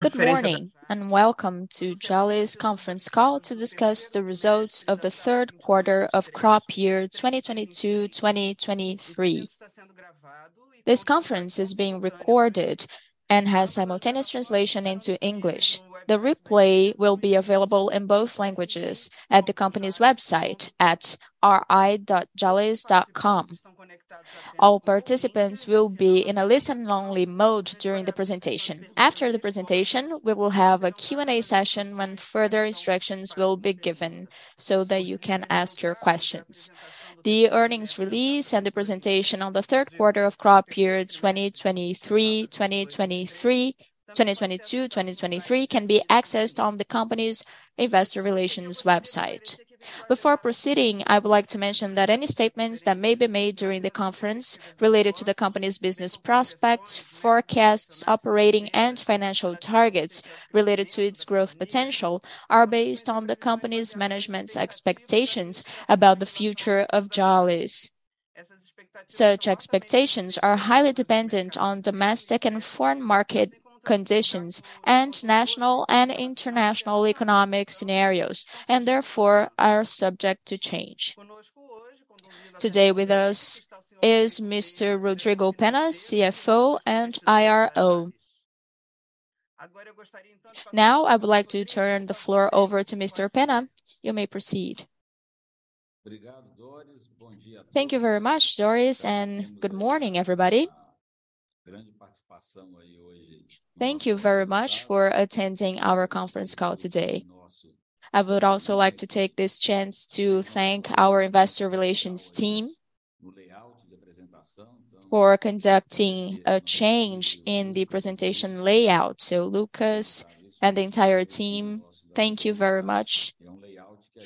Good morning, welcome to Jalles conference call to discuss the results of the third quarter of crop year 2022/2023. This conference is being recorded and has simultaneous translation into English. The replay will be available in both languages at the company's website at ri.jalles.com. All participants will be in a listen-only mode during the presentation. After the presentation, we will have a Q&A session when further instructions will be given so that you can ask your questions. The earnings release and the presentation on the third quarter of crop year 2022/2023 can be accessed on the company's investor relations website. Before proceeding, I would like to mention that any statements that may be made during the conference related to the company's business prospects, forecasts, operating and financial targets related to its growth potential are based on the company's management's expectations about the future of Jalles. Such expectations are highly dependent on domestic and foreign market conditions and national and international economic scenarios, therefore are subject to change. Today with us is Mr. Rodrigo Penna, CFO and IRO. I would like to turn the floor over to Mr. Penna. You may proceed. Thank you very much, Doris. Good morning, everybody. Thank you very much for attending our conference call today. I would also like to take this chance to thank our investor relations team for conducting a change in the presentation layout. Lucas and the entire team, thank you very much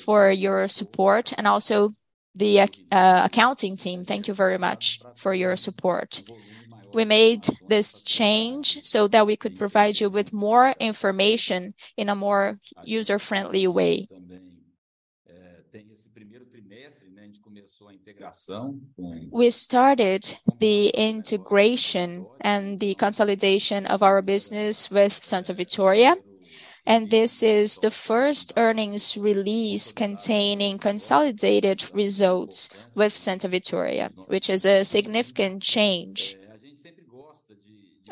for your support and also the accounting team, thank you very much for your support. We made this change so that we could provide you with more information in a more user-friendly way. We started the integration and the consolidation of our business with Santa Vitória, this is the first earnings release containing consolidated results with Santa Vitória, which is a significant change,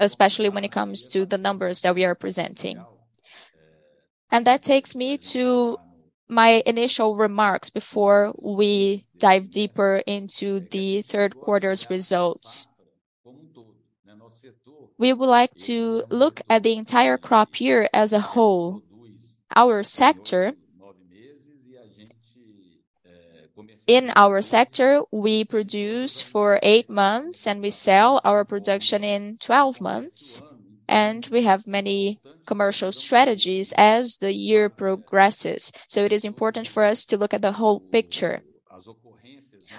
especially when it comes to the numbers that we are presenting. That takes me to my initial remarks before we dive deeper into the third quarter's results. We would like to look at the entire crop year as a whole. In our sector, we produce for eight months, we sell our production in 12 months, we have many commercial strategies as the year progresses. It is important for us to look at the whole picture.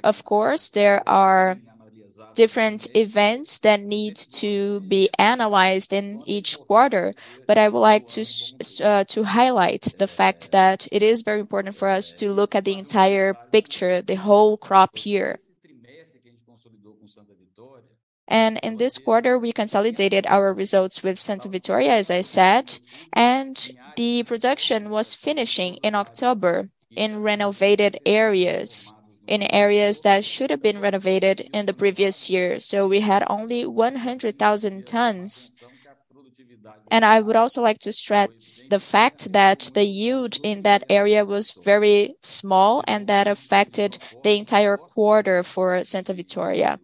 Of course, there are different events that need to be analyzed in each quarter, but I would like to highlight the fact that it is very important for us to look at the entire picture, the whole crop year. In this quarter, we consolidated our results with Santa Vitória, as I said, and the production was finishing in October in renovated areas, in areas that should have been renovated in the previous year. We had only 100,000 tons. I would also like to stress the fact that the yield in that area was very small, and that affected the entire quarter for Santa Vitória.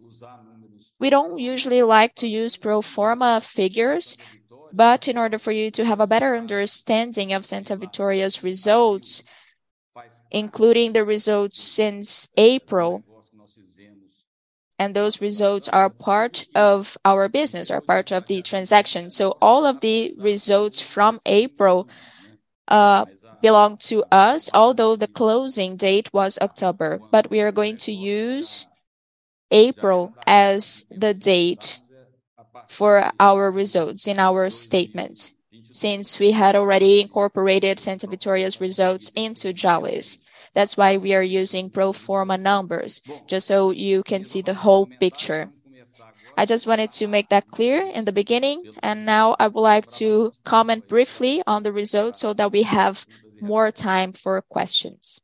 We don't usually like to use pro forma figures. In order for you to have a better understanding of Santa Vitória's results, including the results since April, and those results are part of our business, are part of the transaction. All of the results from April belong to us, although the closing date was October. We are going to use April as the date for our results in our statement since we had already incorporated Santa Vitória's results into Jalles. That's why we are using pro forma numbers, just so you can see the whole picture. I just wanted to make that clear in the beginning. Now I would like to comment briefly on the results so that we have more time for questions.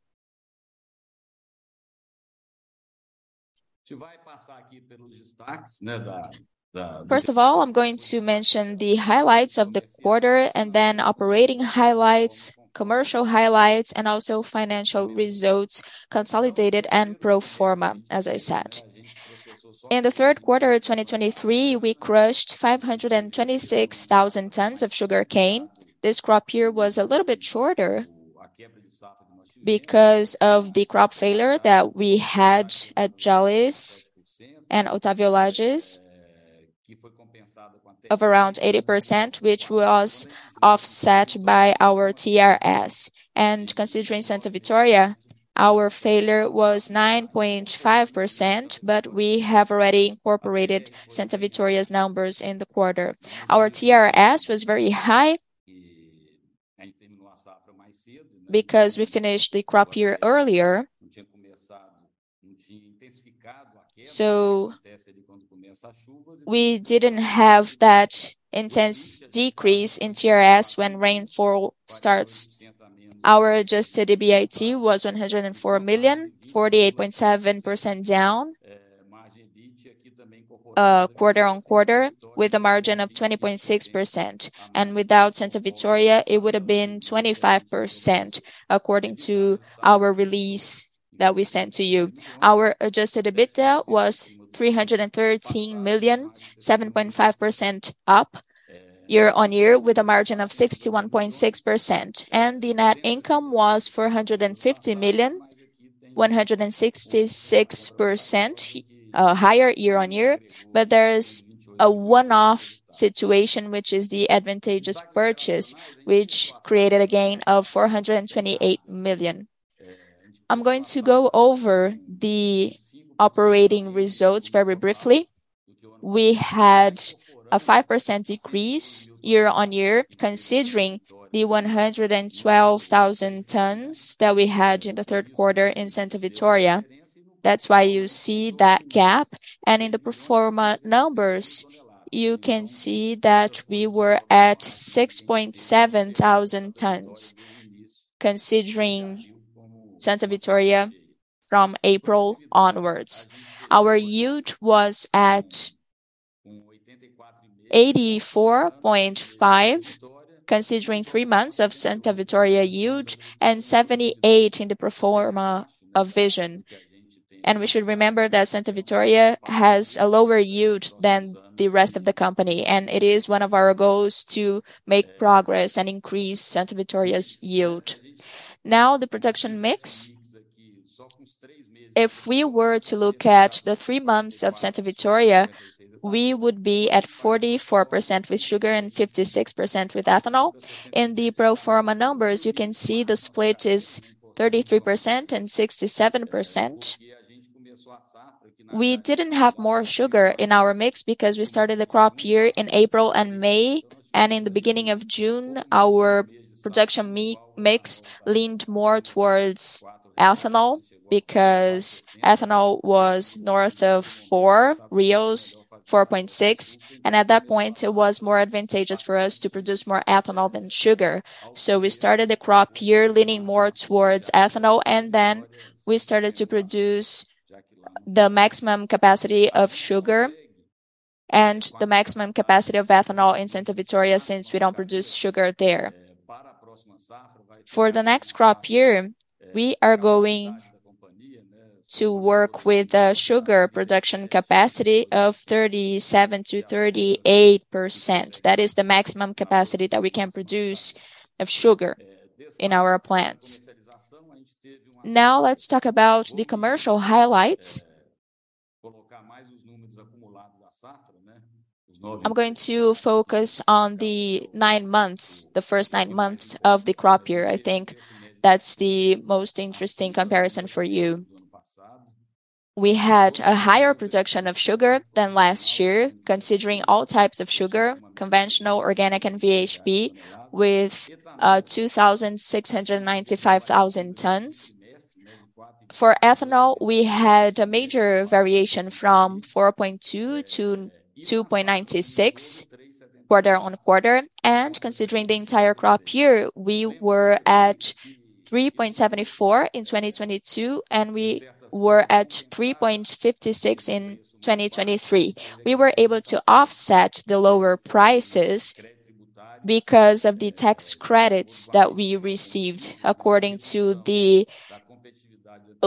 First of all, I'm going to mention the highlights of the quarter and then operating highlights, commercial highlights, and also financial results, consolidated and pro forma, as I said. In third quarter of 2023, we crushed 526,000 tons of sugar cane. This crop year was a little bit shorter because of the crop failure that we had at Jalles and Otávio Lage of around 80%, which was offset by our TRS. Considering Santa Vitória, our failure was 9.5%, but we have already incorporated Santa Vitória's numbers in the quarter. Our TRS was very high because we finished the crop year earlier. We didn't have that intense decrease in TRS when rainfall starts. Our adjusted EBIT was 104 million, 48.7% down, quarter-on-quarter, with a margin of 20.6%. Without Santa Vitória, it would have been 25% according to our release that we sent to you. Our adjusted EBITDA was 313 million, 7.5% up year-over-year, with a margin of 61.6%. The net income was 450 million, 166% higher year-over-year. There's a one-off situation, which is the bargain purchase, which created a gain of 428 million. I'm going to go over the operating results very briefly. We had a 5% decrease year-over-year considering the 112,000 tons that we had in the third quarter in Santa Vitória. That's why you see that gap. In the pro forma numbers, you can see that we were at 6,700 tons considering Santa Vitória from April onwards. Our yield was at 84.5, considering three months of Santa Vitória yield and 78 in the pro forma of vision. We should remember that Santa Vitória has a lower yield than the rest of the company, and it is one of our goals to make progress and increase Santa Vitória's yield. The production mix. If we were to look at the three months of Santa Vitória, we would be at 44% with sugar and 56% with ethanol. In the pro forma numbers, you can see the split is 33% and 67%. We didn't have more sugar in our mix because we started the crop year in April and May, and in the beginning of June, our production mix leaned more towards ethanol because ethanol was north of 4, 4.6. At that point, it was more advantageous for us to produce more ethanol than sugar. We started the crop year leaning more towards ethanol, and then we started to produce the maximum capacity of sugar and the maximum capacity of ethanol in Santa Vitória since we don't produce sugar there. For the next crop year, we are going to work with a sugar production capacity of 37%-38%. That is the maximum capacity that we can produce of sugar in our plants. Let's talk about the commercial highlights. I'm going to focus on the nine months, the first nine months of the crop year. I think that's the most interesting comparison for you. We had a higher production of sugar than last year, considering all types of sugar, conventional, organic, and VHP, with 2,695,000 tons. For ethanol, we had a major variation from 4.2 to 2.96 quarter-on-quarter. Considering the entire crop year, we were at 3.74 in 2022, and we were at 3.56 in 2023. We were able to offset the lower prices because of the tax credits that we received according to the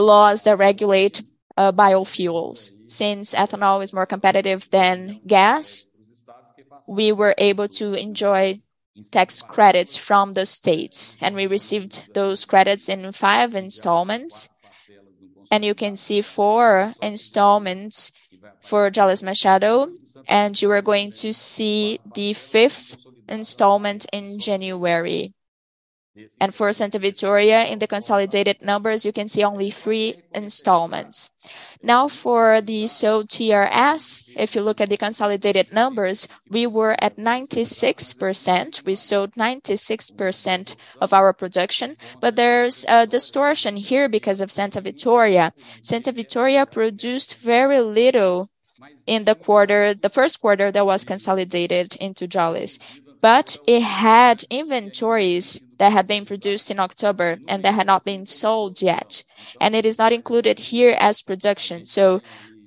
laws that regulate biofuels. Since ethanol is more competitive than gas, we were able to enjoy tax credits from the states, and we received those credits in five installments. You can see four installments for Jalles Machado, you are going to see the fifth installment in January. For Santa Vitória, in the consolidated numbers, you can see only three installments. For the sold TRS, if you look at the consolidated numbers, we were at 96%. We sold 96% of our production, there's a distortion here because of Santa Vitória. Santa Vitória produced very little in the quarter, the first quarter that was consolidated into Jalles. It had inventories that had been produced in October and that had not been sold yet, it is not included here as production.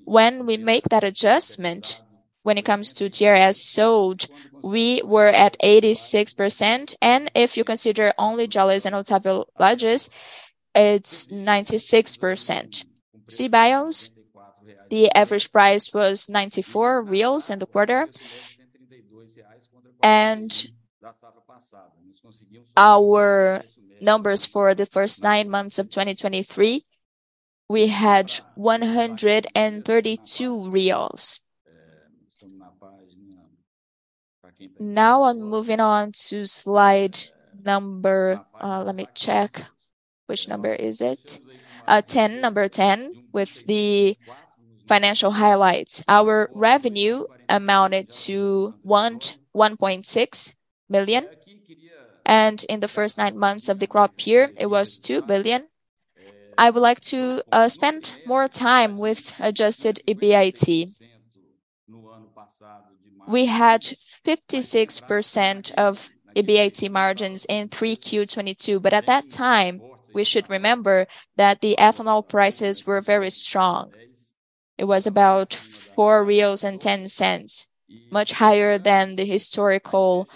When we make that adjustment, when it comes to TRS sold, we were at 86%. If you consider only Jalles and Otávio Lage, it's 96%. CBIOs, the average price was 94 reais in the quarter. Our numbers for the first nine months of 2023, we had BRL 132. Now I'm moving on to slide number, let me check. Which number is it? 10. Number 10 with the financial highlights. Our revenue amounted to 1.6 million. In the first nine months of the crop year, it was 2 billion. I would like to spend more time with adjusted EBIT. We had 56% of EBIT margins in 3Q22. At that time, we should remember that the ethanol prices were very strong. It was about 4.10 reais, much higher than the historical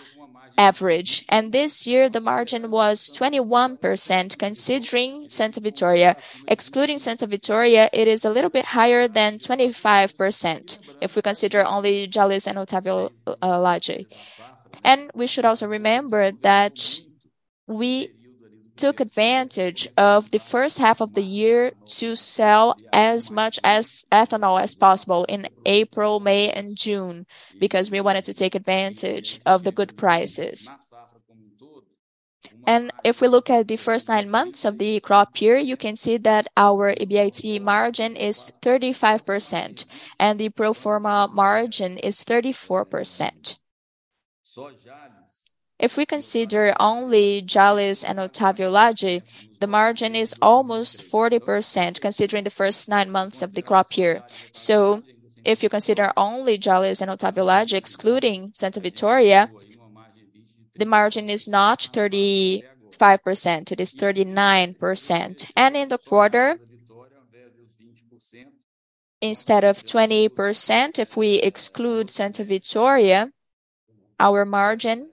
average. This year, the margin was 21% considering Santa Vitória. Excluding Santa Vitória, it is a little bit higher than 25% if we consider only Jalles and Otávio Lage. We should also remember that we took advantage of the first half of the year to sell as much as ethanol as possible in April, May, and June, because we wanted to take advantage of the good prices. If we look at the first nine months of the crop year, you can see that our EBIT margin is 35% and the pro forma margin is 34%. If we consider only Jalles and Otávio Lage, the margin is almost 40% considering the first 9 months of the crop year. If you consider only Jalles and Otávio Lage, excluding Santa Vitória, the margin is not 35%, it is 39%. In the quarter, instead of 20%, if we exclude Santa Vitória, our margin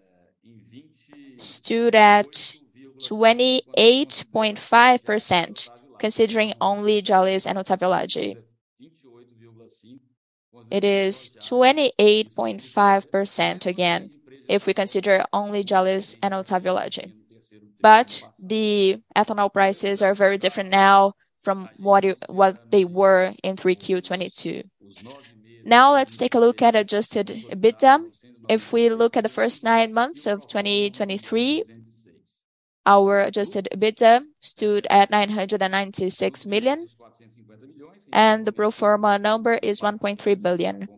stood at 28.5% considering only Jalles and Otávio Lage. It is 28.5% again, if we consider only Jalles and Otávio Lage. The ethanol prices are very different now from what they were in 3Q22. Let's take a look at adjusted EBITDA. If we look at the first nine months of 2023, our adjusted EBITDA stood at 996 million, and the pro forma number is 1.3 billion.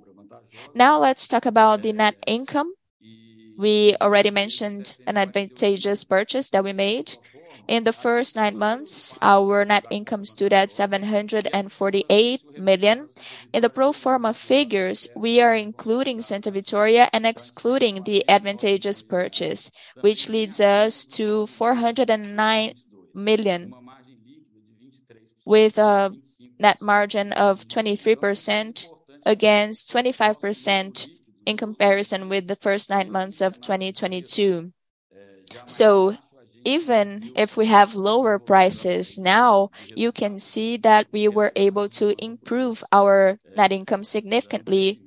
Let's talk about the net income. We already mentioned a bargain purchase that we made. In the first nine months, our net income stood at 748 million. In the pro forma figures, we are including Santa Vitória and excluding the bargain purchase, which leads us to 409 million, with a net margin of 23% against 25% in comparison with the first nine months of 2022. Even if we have lower prices now, you can see that we were able to improve our net income significantly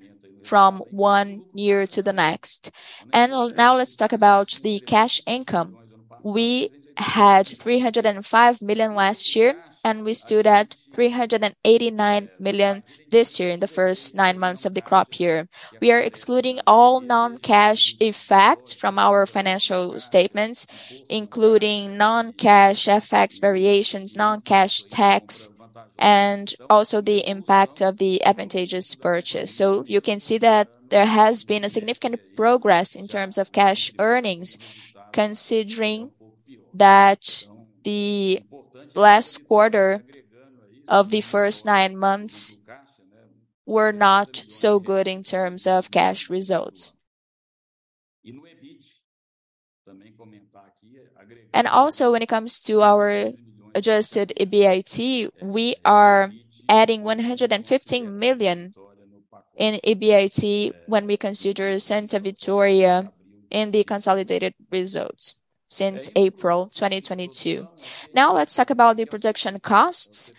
from one year to the next. Now let's talk about the cash income. We had 305 million last year, and we stood at 389 million this year in the first nine months of the crop year. We are excluding all non-cash effects from our financial statements, including non-cash effects, variations, non-cash tax, and also the impact of the advantageous purchase. You can see that there has been a significant progress in terms of cash earnings, considering that the last quarter of the first nine months were not so good in terms of cash results. When it comes to our adjusted EBIT, we are adding 115 million in EBIT when we consider Santa Vitória in the consolidated results since April 2022. Let's talk about the production costs.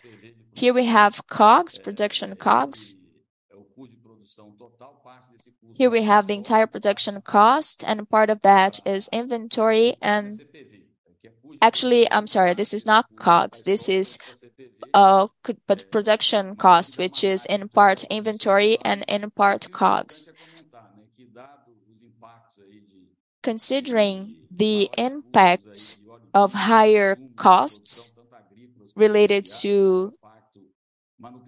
We have COGS, production COGS. We have the entire production cost, and part of that is inventory and actually, I'm sorry, this is not COGS. This is production cost, which is in part inventory and in part COGS. Considering the impacts of higher costs related to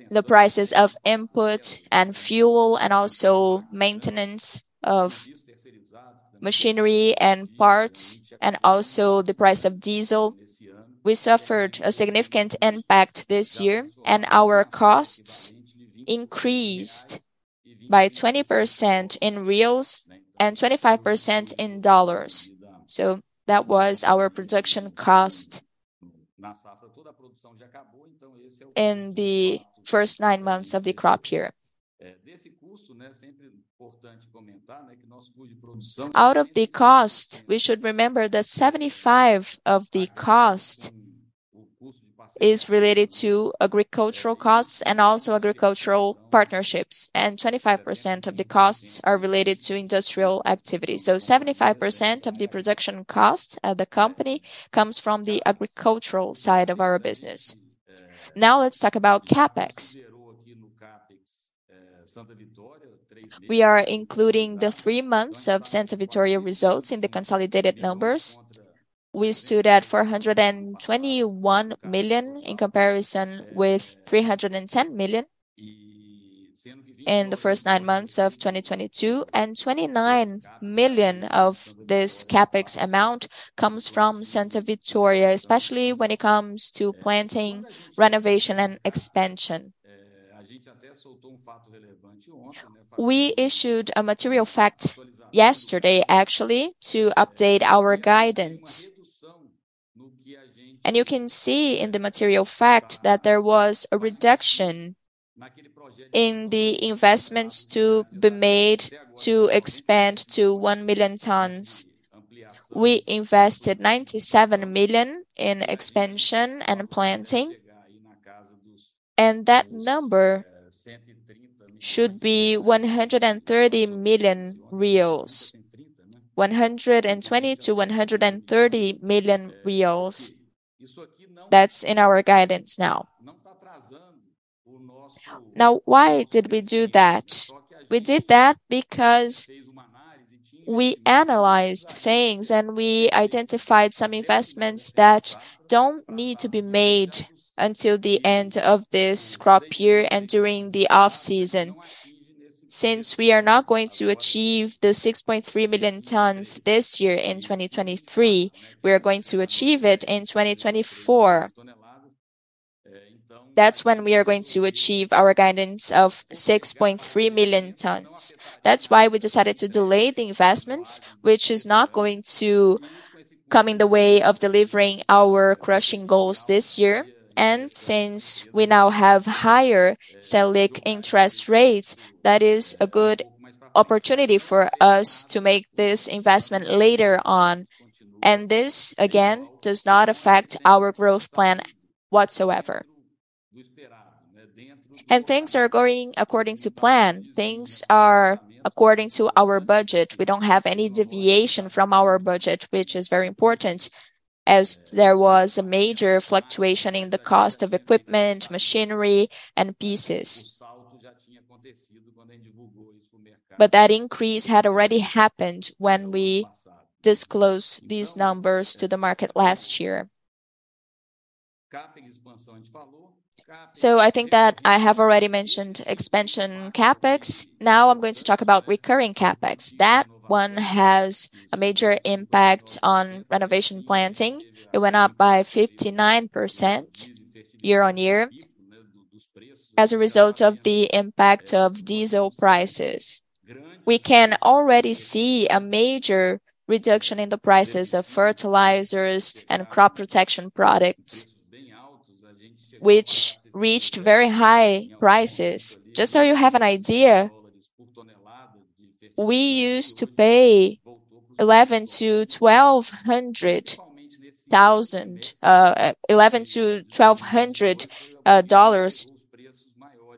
the prices of input and fuel and also maintenance of machinery and parts and also the price of diesel, we suffered a significant impact this year, and our costs increased by 20% in BRL and 25% in USD. That was our production cost in the first nine months of the crop year. Out of the cost, we should remember that 75% of the cost is related to agricultural costs and also agricultural partnerships, and 25% of the costs are related to industrial activity. 75% of the production cost at the company comes from the agricultural side of our business. Let's talk about CapEx. We are including the three months of Santa Vitória results in the consolidated numbers. We stood at 421 million in comparison with 310 million. In the first nine months of 2022. 29 million of this CapEx amount comes from Santa Vitória, especially when it comes to planting, renovation, and expansion. We issued a material fact yesterday, actually, to update our guidance. You can see in the material fact that there was a reduction in the investments to be made to expand to 1 million tons. We invested 97 million in expansion and planting, that number should be 130 million reais. 120 million-130 million reais. That's in our guidance now. Why did we do that? We did that because we analyzed things, and we identified some investments that don't need to be made until the end of this crop year and during the off-season. Since we are not going to achieve the 6.3 million tons this year in 2023, we are going to achieve it in 2024. That's when we are going to achieve our guidance of 6.3 million tons. That's why we decided to delay the investments, which is not going to come in the way of delivering our crushing goals this year. Since we now have higher Selic interest rates, that is a good opportunity for us to make this investment later on. This, again, does not affect our growth plan whatsoever. Things are going according to plan. Things are according to our budget. We don't have any deviation from our budget, which is very important as there was a major fluctuation in the cost of equipment, machinery, and pieces. That increase had already happened when we disclosed these numbers to the market last year. I think that I have already mentioned expansion CapEx. Now I'm going to talk about recurring CapEx. That one has a major impact on renovation planting. It went up by 59% year-on-year as a result of the impact of diesel prices. We can already see a major reduction in the prices of fertilizers and crop protection products which reached very high prices. Just so you have an idea, we used to pay $1,100-$1,200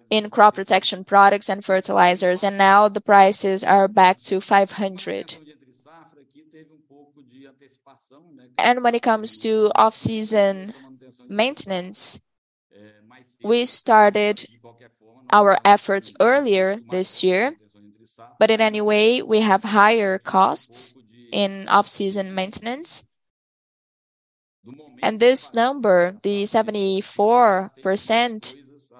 in crop protection products and fertilizers. Now the prices are back to $500. When it comes to off-season maintenance, we started our efforts earlier this year. In any way, we have higher costs in off-season maintenance. This number, the 74%,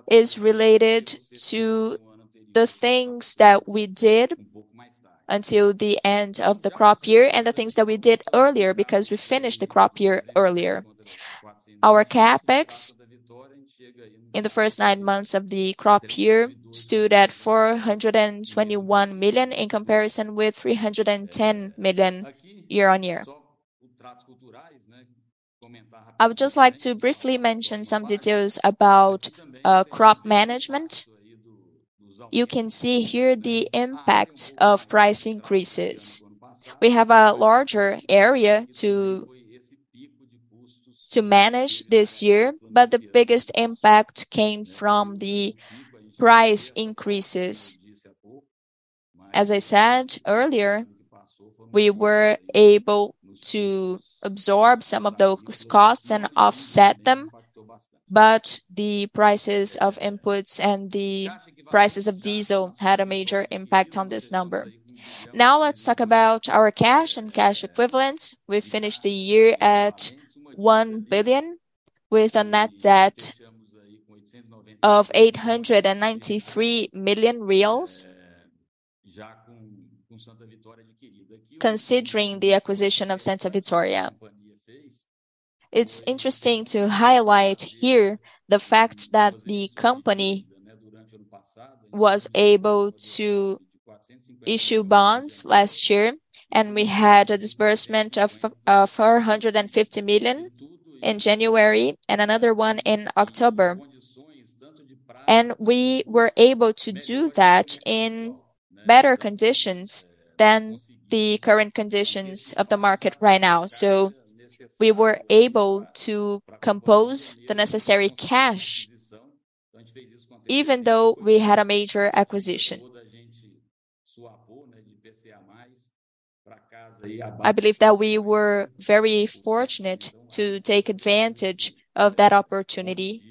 is related to the things that we did until the end of the crop year and the things that we did earlier because we finished the crop year earlier. Our CapEx in the first nine months of the crop year stood at 421 million in comparison with 310 million year-on-year. I would just like to briefly mention some details about crop management. You can see here the impact of price increases. We have a larger area to manage this year, the biggest impact came from the price increases. As I said earlier, we were able to absorb some of those costs and offset them, the prices of inputs and the prices of diesel had a major impact on this number. Let's talk about our cash and cash equivalents. We finished the year at 1 billion with a net debt of 893 million reais. Considering the acquisition of Santa Vitória, it's interesting to highlight here the fact that the company was able to issue bonds last year, we had a disbursement of 450 million in January and another one in October. We were able to do that in better conditions than the current conditions of the market right now. We were able to compose the necessary cash even though we had a major acquisition. I believe that we were very fortunate to take advantage of that opportunity,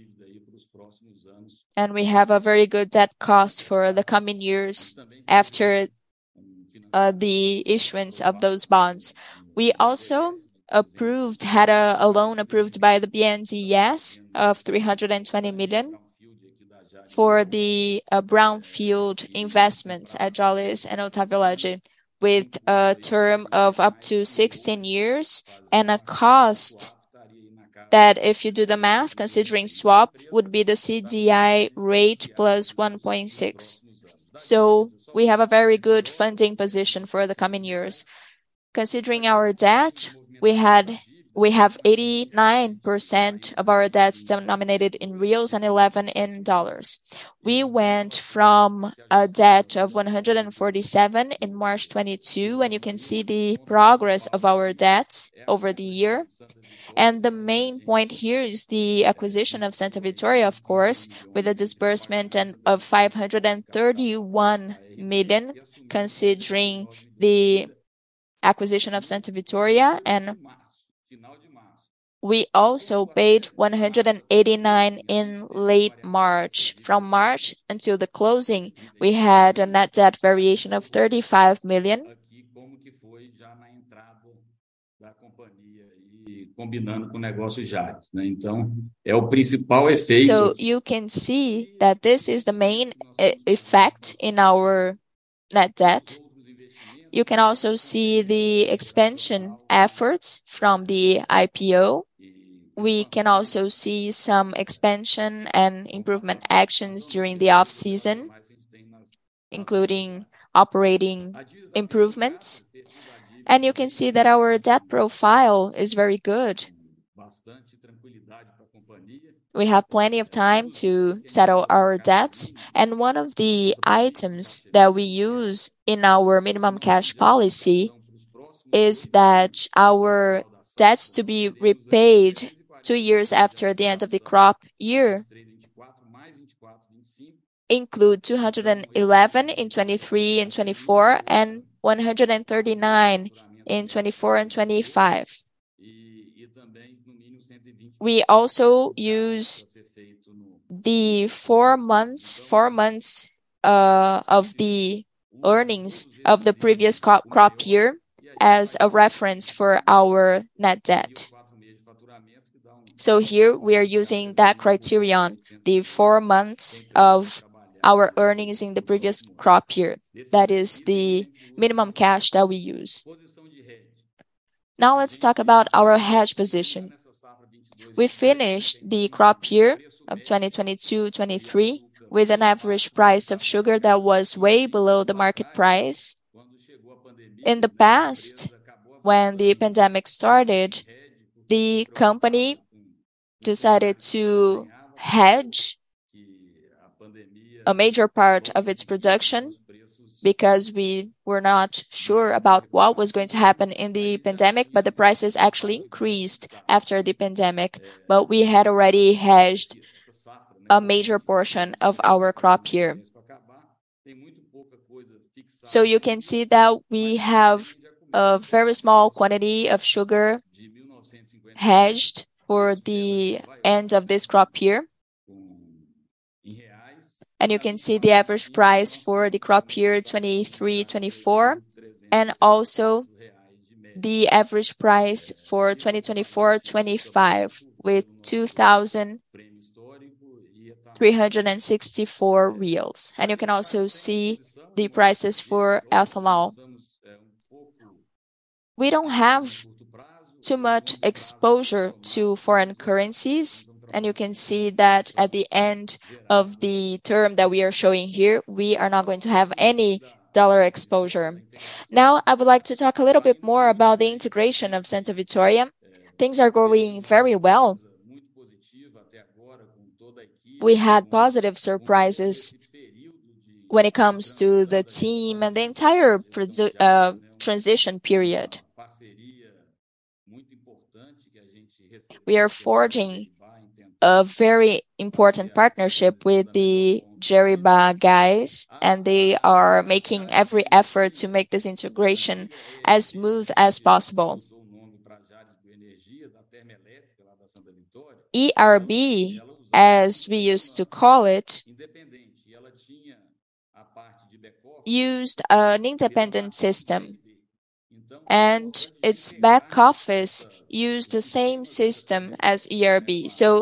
and we have a very good debt cost for the coming years after the issuance of those bonds. We also had a loan approved by the BNDES of 320 million for the brownfield investments at Jalles and Otávio Lage with a term of up to 16 years and a cost that, if you do the math, considering swap, would be the CDI rate plus 1.6. We have a very good funding position for the coming years. Considering our debt, we have 89% of our debts denominated in BRL and 11% in dollars. We went from a debt of 147 in March 2022, and you can see the progress of our debts over the year. The main point here is the acquisition of Santa Vitória, of course, with a disbursement and of 531 million, considering the acquisition of Santa Vitória. We also paid 189 in late March. From March until the closing, we had a net debt variation of 35 million. You can see that this is the main effect in our net debt. You can also see the expansion efforts from the IPO. We can also see some expansion and improvement actions during the off-season, including operating improvements. You can see that our debt profile is very good. We have plenty of time to settle our debts. One of the items that we use in our minimum cash policy is that our debts to be repaid two years after the end of the crop year include 211 in 2023 and 2024 and 139 in 2024 and 2025. We also use the four months of the earnings of the previous crop year as a reference for our net debt. Here we are using that criterion, the four months of our earnings in the previous crop year. That is the minimum cash that we use. Let's talk about our hedge position. We finished the crop year of 2022, 2023 with an average price of sugar that was way below the market price. In the past, when the pandemic started, the company decided to hedge a major part of its production because we were not sure about what was going to happen in the pandemic, but the prices actually increased after the pandemic. We had already hedged a major portion of our crop year. You can see that we have a very small quantity of sugar hedged for the end of this crop year. You can see the average price for the crop year 2023, 2024, and also the average price for 2024, 2025 with 2,364 reais. You can also see the prices for ethanol. We don't have too much exposure to foreign currencies, and you can see that at the end of the term that we are showing here, we are not going to have any dollar exposure. I would like to talk a little bit more about the integration of Santa Vitória. Things are going very well. We had positive surprises when it comes to the team and the entire transition period. We are forging a very important partnership with the Geribá guys, they are making every effort to make this integration as smooth as possible. ERB, as we used to call it, used an independent system, its back office used the same system as ERB.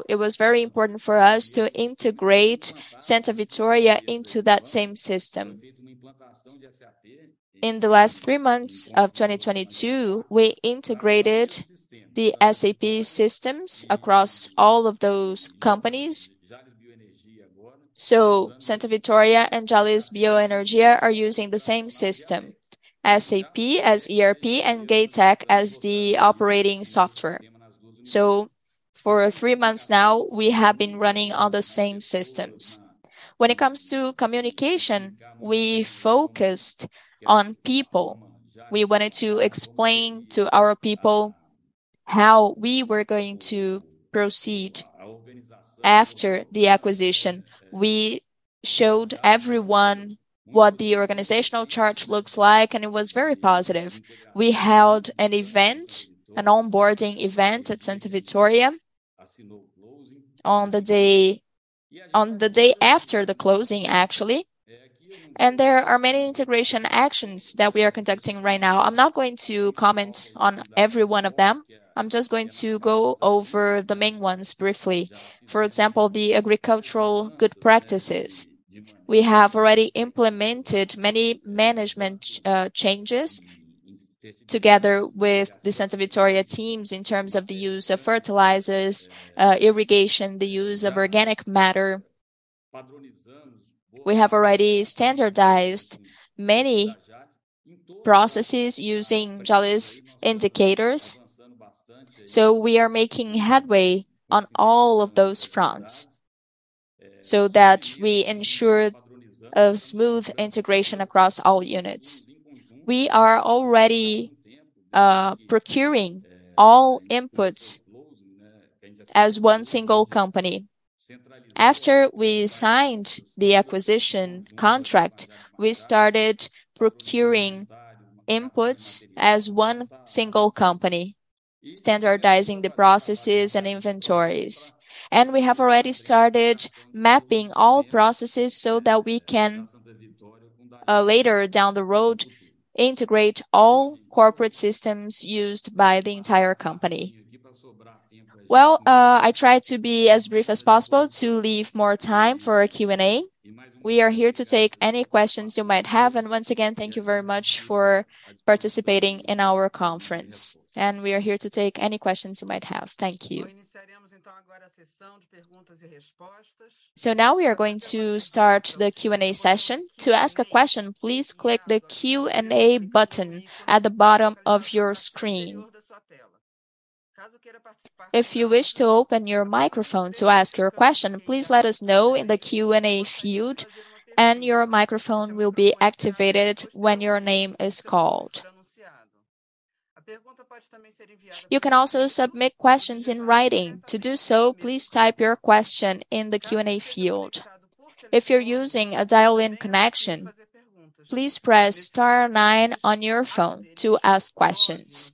It was very important for us to integrate Santa Vitória into that same system. In the last three months of 2022, we integrated the SAP systems across all of those companies. Santa Vitória and Jalles Bioenergia are using the same system, SAP as ERP and GAtec as the operating software. For three months now, we have been running on the same systems. When it comes to communication, we focused on people. We wanted to explain to our people how we were going to proceed after the acquisition. We showed everyone what the organizational chart looks like, it was very positive. We held an event, an onboarding event at Santa Vitória on the day after the closing actually. There are many integration actions that we are conducting right now. I'm not going to comment on every one of them, I'm just going to go over the main ones briefly. For example, the agricultural good practices. We have already implemented many management changes together with the Santa Vitória teams in terms of the use of fertilizers, irrigation, the use of organic matter. We have already standardized many processes using Jalles' indicators. We are making headway on all of those fronts so that we ensure a smooth integration across all units. We are already procuring all inputs as one single company. After we signed the acquisition contract, we started procuring inputs as one single company, standardizing the processes and inventories. We have already started mapping all processes so that we can later down the road, integrate all corporate systems used by the entire company. Well, I tried to be as brief as possible to leave more time for our Q&A. We are here to take any questions you might have. Once again, thank you very much for participating in our conference. We are here to take any questions you might have. Thank you. Now we are going to start the Q&A session. To ask a question, please click the Q&A button at the bottom of your screen. If you wish to open your microphone to ask your question, please let us know in the Q&A field, and your microphone will be activated when your name is called. You can also submit questions in writing. To do so, please type your question in the Q&A field. If you're using a dial-in connection, please press star nine on your phone to ask questions.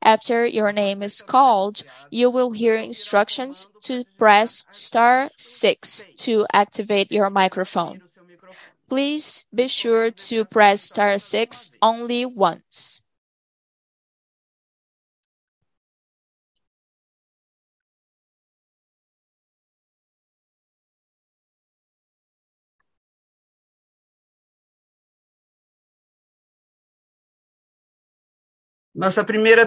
After your name is called, you will hear instructions to press star six to activate your microphone. Please be sure to press star six only once. Gabriel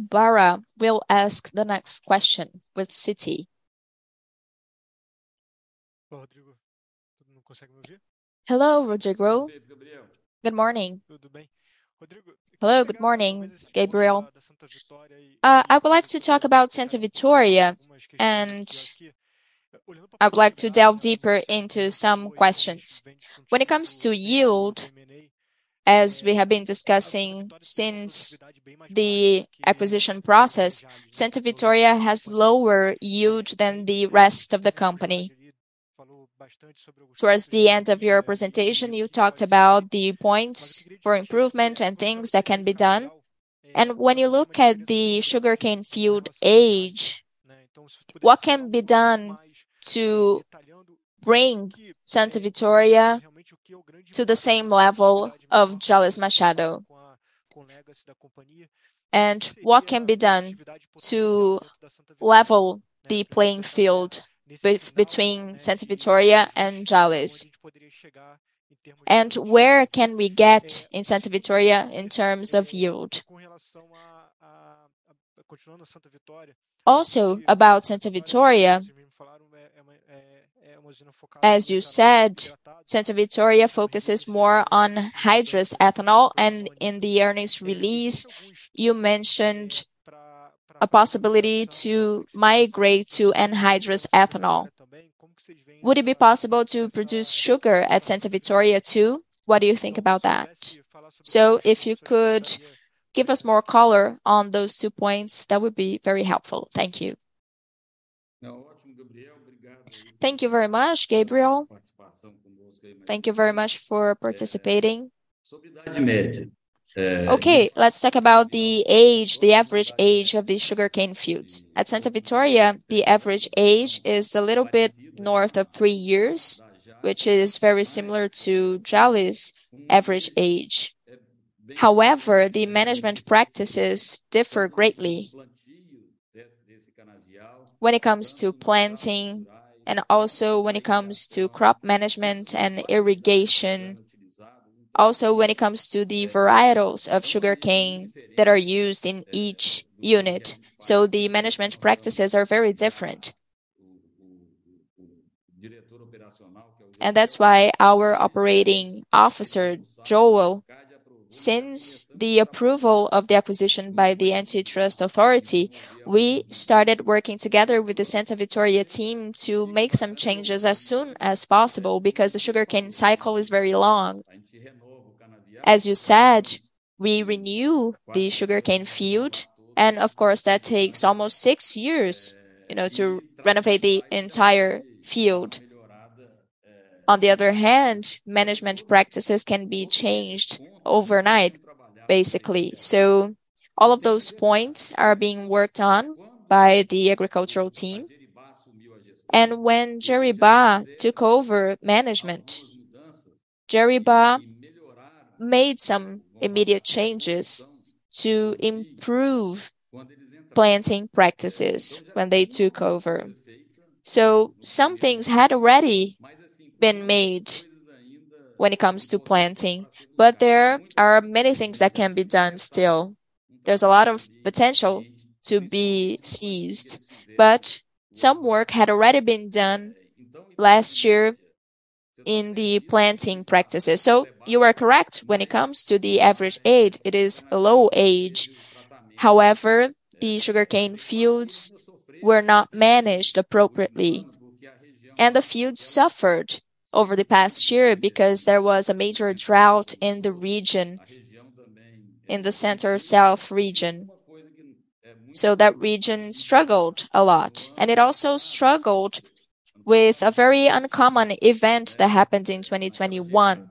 Barra will ask the next question with Citi. Hello, Rodrigo. Good morning. Hello, good morning, Gabriel. I would like to talk about Santa Vitória, and I would like to delve deeper into some questions. When it comes to yield, as we have been discussing since the acquisition process, Santa Vitória has lower yield than the rest of the company. Towards the end of your presentation, you talked about the points for improvement and things that can be done. When you look at the sugarcane field age, what can be done to bring Santa Vitória to the same level of Jalles Machado? What can be done to level the playing field between Santa Vitória and Jalles? Where can we get in Santa Vitória in terms of yield? About Santa Vitória, as you said, Santa Vitória focuses more on hydrous ethanol, and in the earnings release, you mentioned a possibility to migrate to anhydrous ethanol. Would it be possible to produce sugar at Santa Vitória too? What do you think about that? If you could give us more color on those two points, that would be very helpful. Thank you. Thank you very much, Gabriel. Thank you very much for participating. Let's talk about the age, the average age of the sugarcane fields. At Santa Vitória, the average age is a little bit north of three years, which is very similar to Jaú's average age. The management practices differ greatly when it comes to planting and also when it comes to crop management and irrigation. When it comes to the varietals of sugarcane that are used in each unit. The management practices are very different. That's why our operating officer, Joel, since the approval of the acquisition by the antitrust authority, we started working together with the Santa Vitória team to make some changes as soon as possible because the sugarcane cycle is very long. As you said, we renew the sugarcane field, of course, that takes almost six years, you know, to renovate the entire field. On the other hand, management practices can be changed overnight, basically. All of those points are being worked on by the agricultural team. When Geribá took over management, Geribá made some immediate changes to improve planting practices when they took over. Some things had already been made when it comes to planting, there are many things that can be done still. There's a lot of potential to be seized, some work had already been done last year in the planting practices. You are correct. When it comes to the average age, it is a low age. However, the sugarcane fields were not managed appropriately. The fields suffered over the past year because there was a major drought in the region, in the center south region. That region struggled a lot, and it also struggled with a very uncommon event that happened in 2021.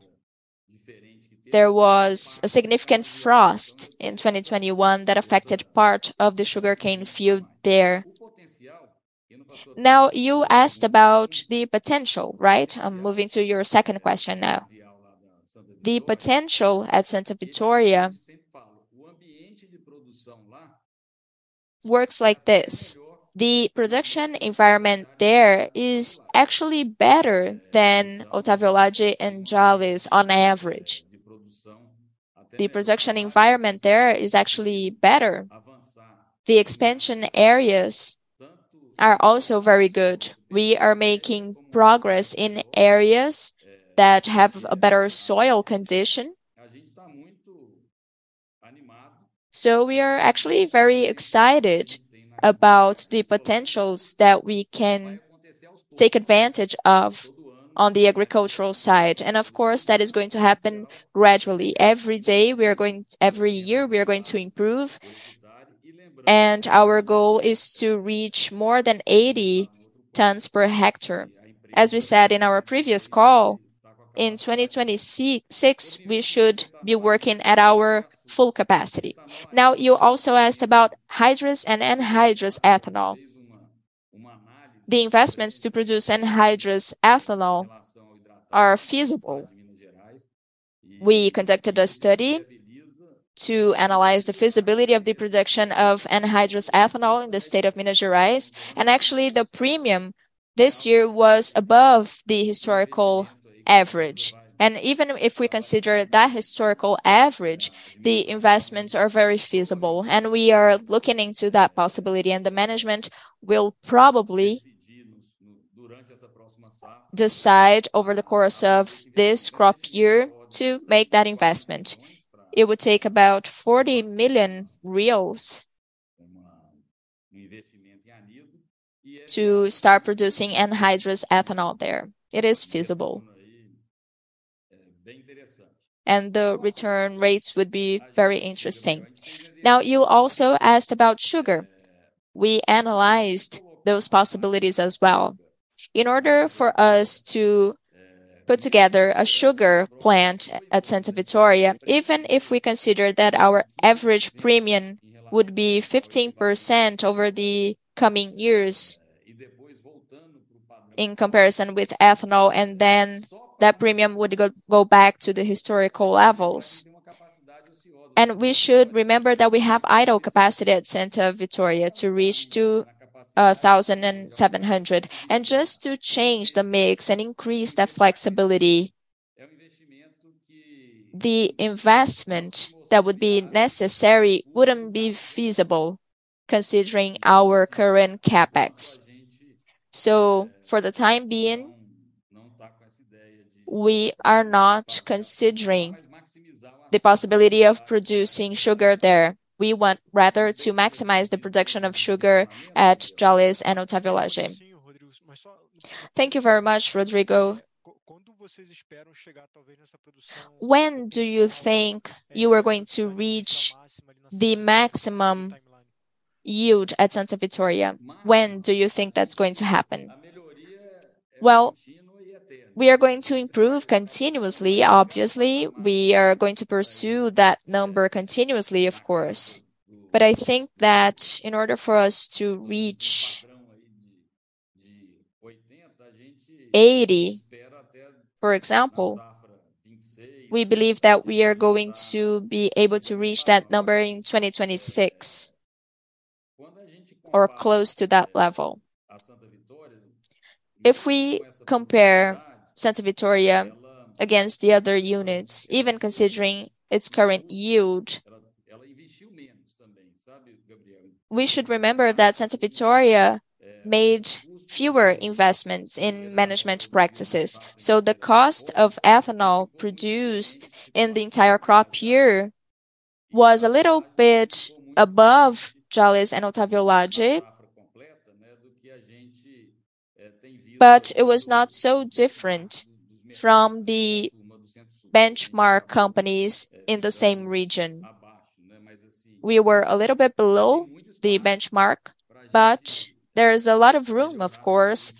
There was a significant frost in 2021 that affected part of the sugarcane field there. You asked about the potential, right? I'm moving to your second question now. The potential at Santa Vitória works like this: The production environment there is actually better than Otávio Lage and Jalles on average. The production environment there is actually better. The expansion areas are also very good. We are making progress in areas that have a better soil condition. We are actually very excited about the potentials that we can take advantage of on the agricultural side. Of course, that is going to happen gradually. Every year, we are going to improve. Our goal is to reach more than 80 tons per hectare. As we said in our previous call, in 2026, we should be working at our full capacity. You also asked about hydrous ethanol and anhydrous ethanol. The investments to produce anhydrous ethanol are feasible. We conducted a study to analyze the feasibility of the production of anhydrous ethanol in the state of Minas Gerais. Actually, the premium this year was above the historical average. Even if we consider that historical average, the investments are very feasible, and we are looking into that possibility. The management will probably decide over the course of this crop year to make that investment. It would take about 40 million BRL to start producing anhydrous ethanol there. It is feasible. The return rates would be very interesting. Now, you also asked about sugar. We analyzed those possibilities as well. In order for us to put together a sugar plant at Santa Vitória, even if we consider that our average premium would be 15% over the coming years in comparison with ethanol, and then that premium would go back to the historical levels. We should remember that we have idle capacity at Santa Vitória to reach 2,700. Just to change the mix and increase the flexibility, the investment that would be necessary wouldn't be feasible considering our current CapEx. For the time being, we are not considering the possibility of producing sugar there. We want rather to maximize the production of sugar at Jalles and Otávio Lage. Thank you very much, Rodrigo. When do you think you are going to reach the maximum yield at Santa Vitória? When do you think that's going to happen? Well, we are going to improve continuously. Obviously, we are going to pursue that number continuously, of course. I think that in order for us to reach 80, for example, we believe that we are going to be able to reach that number in 2026 or close to that level. If we compare Santa Vitória against the other units, even considering its current yield, we should remember that Santa Vitória made fewer investments in management practices. The cost of ethanol produced in the entire crop year was a little bit above Jalles and Otávio Lage. It was not so different from the benchmark companies in the same region. We were a little bit below the benchmark, but there is a lot of room, of course,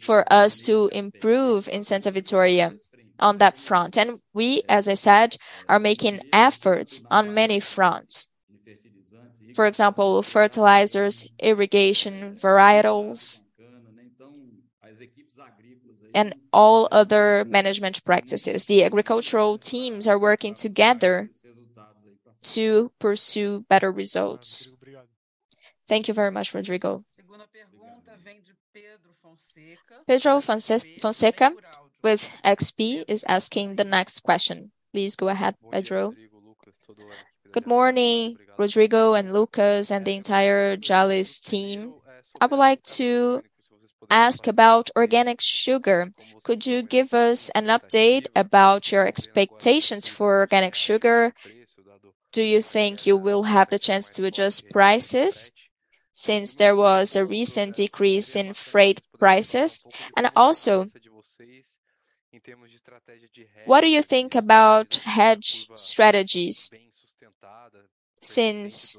for us to improve in Santa Vitória on that front. We, as I said, are making efforts on many fronts. For example, fertilizers, irrigation, varietals, and all other management practices. The agricultural teams are working together to pursue better results. Thank you very much, Rodrigo. Pedro Fonseca with XP is asking the next question. Please go ahead, Pedro. Good morning, Rodrigo and Lucas, and the entire Jalles team. I would like to ask about organic sugar. Could you give us an update about your expectations for organic sugar? Do you think you will have the chance to adjust prices since there was a recent decrease in freight prices? Also, what do you think about hedge strategies since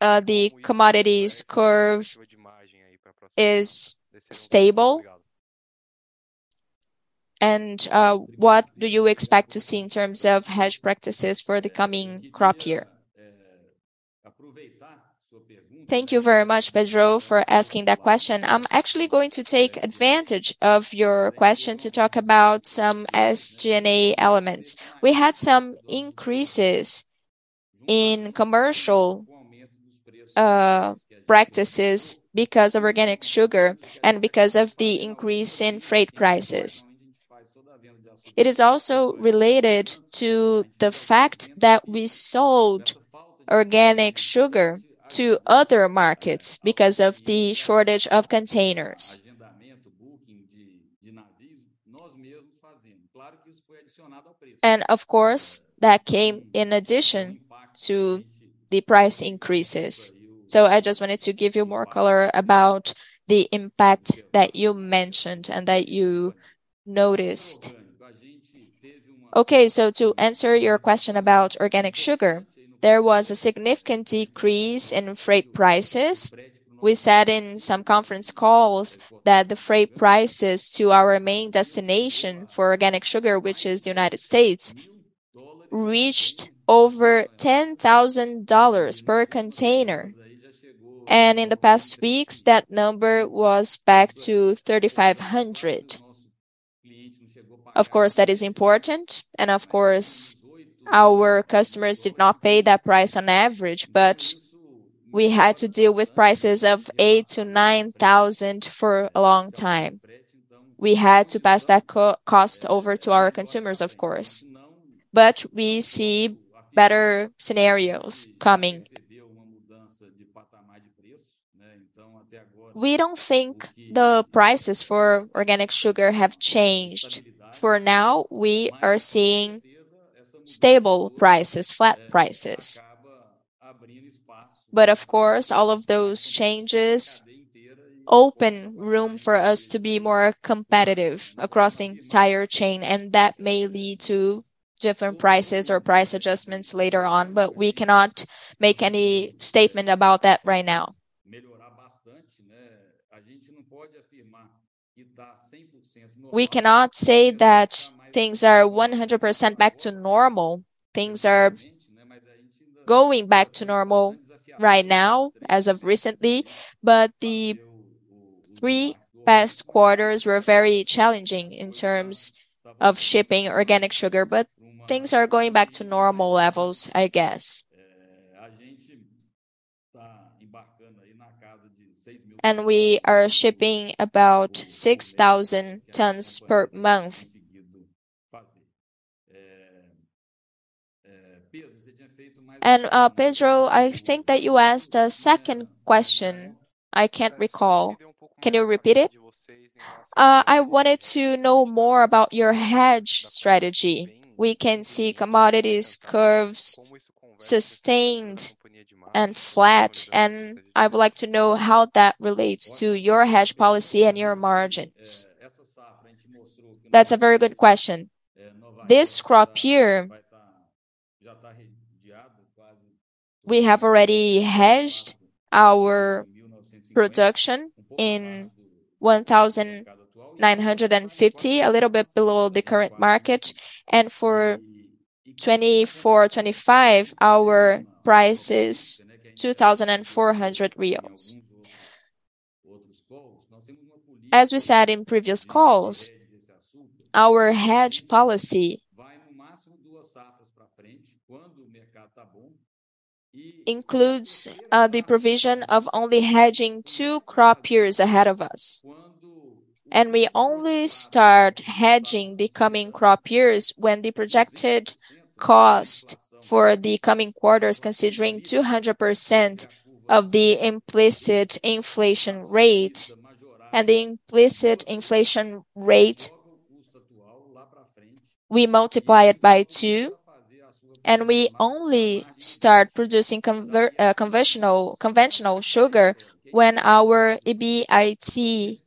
the commodities curve is stable? What do you expect to see in terms of hedge practices for the coming crop year? Thank you very much, Pedro, for asking that question. I'm actually going to take advantage of your question to talk about some SG&A elements. We had some increases in commercial practices because of organic sugar and because of the increase in freight prices. It is also related to the fact that we sold organic sugar to other markets because of the shortage of containers. Of course, that came in addition to the price increases. I just wanted to give you more color about the impact that you mentioned and that you noticed. To answer your question about organic sugar, there was a significant decrease in freight prices. We said in some conference calls that the freight prices to our main destination for organic sugar, which is the United States, reached over $10,000 per container. In the past weeks, that number was back to $3,500. Of course, that is important. Of course, our customers did not pay that price on average, but we had to deal with prices of $8,000-$9,000 for a long time. We had to pass that co-cost over to our consumers, of course. We see better scenarios coming. We don't think the prices for organic sugar have changed. For now, we are seeing stable prices, flat prices. Of course, all of those changes open room for us to be more competitive across the entire chain, and that may lead to different prices or price adjustments later on. We cannot make any statement about that right now. We cannot say that things are 100% back to normal. Things are going back to normal right now as of recently, but the three past quarters were very challenging in terms of shipping organic sugar. Things are going back to normal levels, I guess. We are shipping about 6,000 tons per month. Pedro, I think that you asked a second question. I can't recall. Can you repeat it? I wanted to know more about your hedge strategy. We can see commodities curves sustained and flat. I would like to know how that relates to your hedge policy and your margins. That's a very good question. This crop year, we have already hedged our production in 1,950, a little bit below the current market. For 2024, 2025, our price is BRL 2,400. As we said in previous calls, our hedge policy includes the provision of only hedging two crop years ahead of us. We only start hedging the coming crop years when the projected cost for the coming quarters, considering 200% of the implicit inflation rate and the implicit inflation rate, we multiply it by two, and we only start producing conventional sugar when our EBIT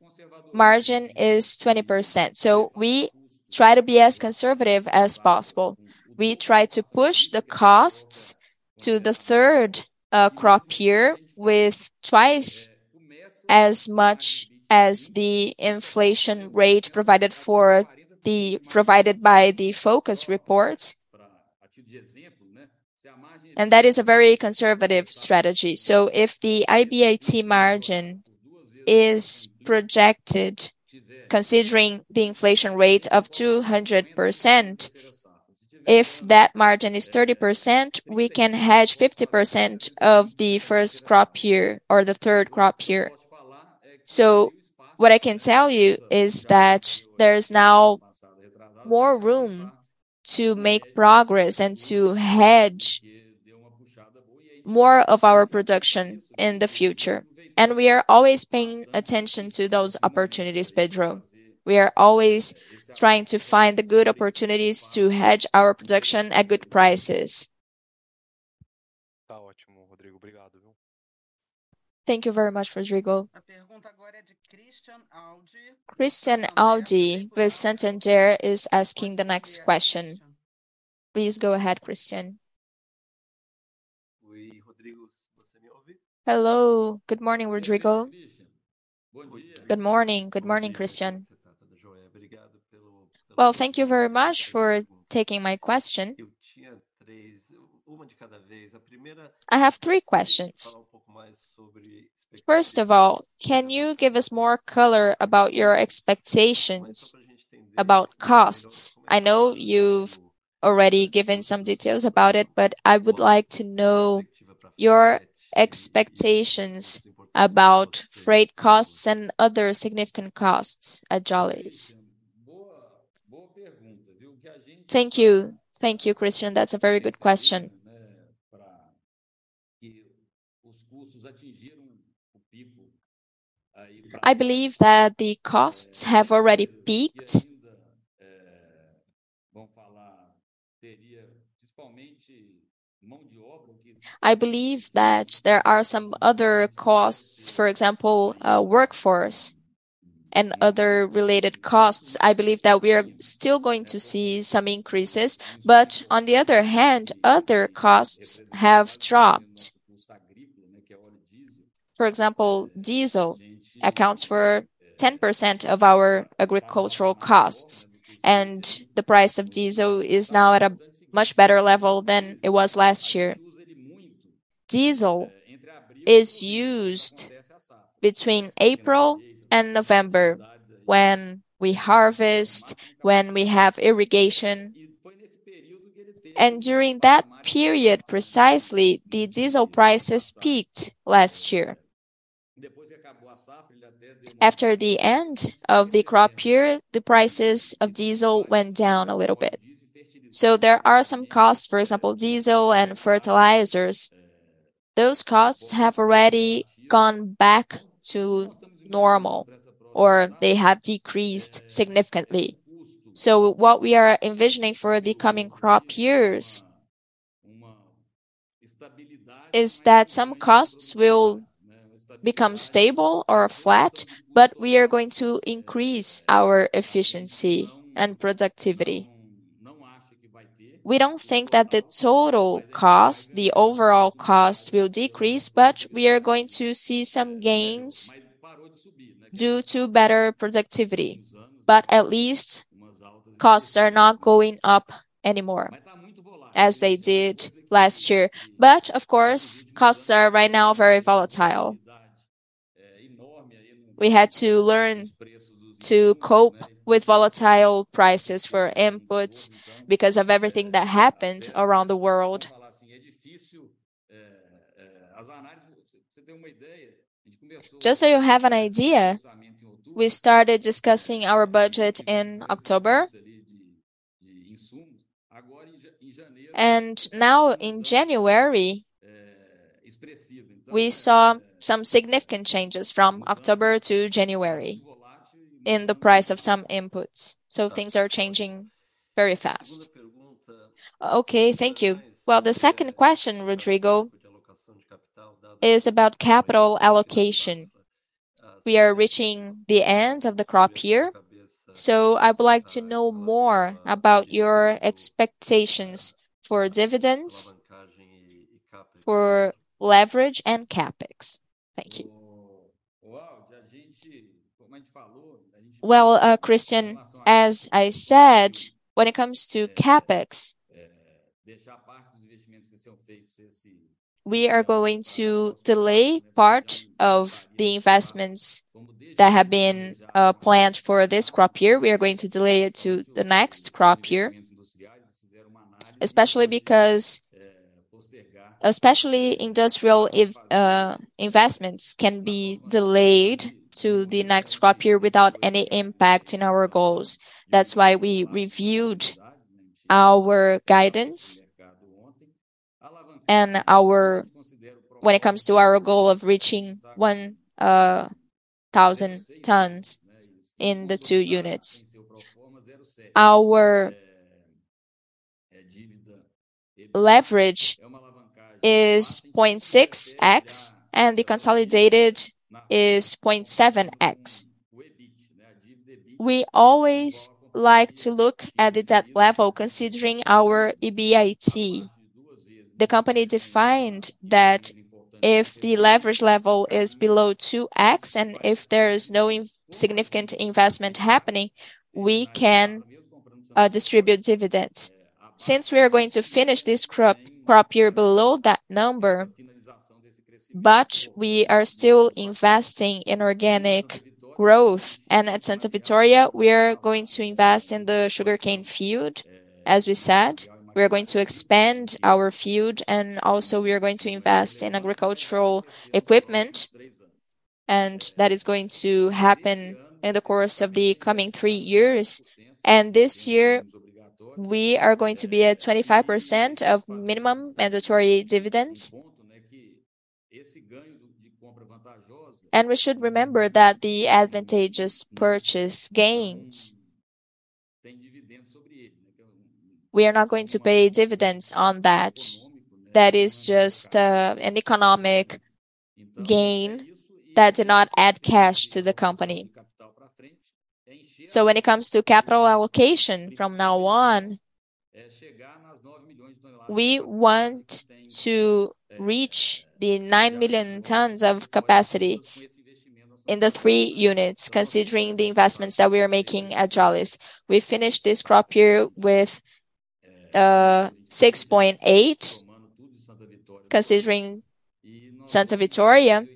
margin is 20%. We try to be as conservative as possible. We try to push the costs to the third crop year with twice as much as the inflation rate provided by the Focus Report. That is a very conservative strategy. If the IBAT margin is projected considering the inflation rate of 200%, if that margin is 30%, we can hedge 50% of the first crop year or the third crop year. What I can tell is that there is now more room to make progress and to hedge more of our production in the future. We are always paying attention to those opportunities, Pedro. We are always trying to find the good opportunities to hedge our production at good prices. Thank you very much, Rodrigo. Christian Audi with Santander is asking the next question. Please go ahead, Christian. Hello. Good morning, Rodrigo. Good morning. Good morning, Christian. Well, thank you very much for taking my question. I have three questions. First of all, can you give us more color about your expectations about costs? I know you've already given some details about it. I would like to know your expectations about freight costs and other significant costs at Jalles. Thank you. Thank you, Christian. That's a very good question. I believe that the costs have already peaked. I believe that there are some other costs, for example, workforce and other related costs. I believe that we are still going to see some increases, but on the other hand, other costs have dropped. For example, diesel accounts for 10% of our agricultural costs, and the price of diesel is now at a much better level than it was last year. Diesel is used between April and November when we harvest, when we have irrigation. During that period, precisely, the diesel prices peaked last year. After the end of the crop year, the prices of diesel went down a little bit. There are some costs, for example, diesel and fertilizers. Those costs have already gone back to normal, or they have decreased significantly. What we are envisioning for the coming crop years is that some costs will become stable or flat, but we are going to increase our efficiency and productivity. We don't think that the total cost, the overall cost will decrease, but we are going to see some gains due to better productivity. At least costs are not going up anymore, as they did last year. Of course, costs are right now very volatile. We had to learn to cope with volatile prices for inputs because of everything that happened around the world. Just so you have an idea, we started discussing our budget in October. Now in January, we saw some significant changes from October to January in the price of some inputs. Things are changing very fast. Okay. Thank you. Well, the second question, Rodrigo, is about capital allocation. We are reaching the end of the crop year, I would like to know more about your expectations for dividends, for leverage, and CapEx. Thank you. Well, Christian, as I said, when it comes to CapEx, we are going to delay part of the investments that have been planned for this crop year. We are going to delay it to the next crop year, especially because, especially industrial investments can be delayed to the next crop year without any impact in our goals. That's why we reviewed our guidance and when it comes to our goal of reaching 1,000 tons in the two units. Our leverage is 0.6x and the consolidated is 0.7x. We always like to look at the debt level considering our EBIT. The company defined that if the leverage level is below 2x and if there is no significant investment happening, we can distribute dividends. Since we are going to finish this crop year below that number, but we are still investing in organic growth and at Santa Vitória, we are going to invest in the sugarcane field. As we said, we are going to expand our field and also we are going to invest in agricultural equipment, and that is going to happen in the course of the coming three years. This year, we are going to be at 25% of minimum mandatory dividends. We should remember that the bargain purchase gains, we are not going to pay dividends on that. That is just an economic gain that did not add cash to the company. When it comes to capital allocation from now on, we want to reach the 9 million tons of capacity in the three units, considering the investments that we are making at Jalles. We finished this crop year with 6.8 million tons, considering Santa Vitória,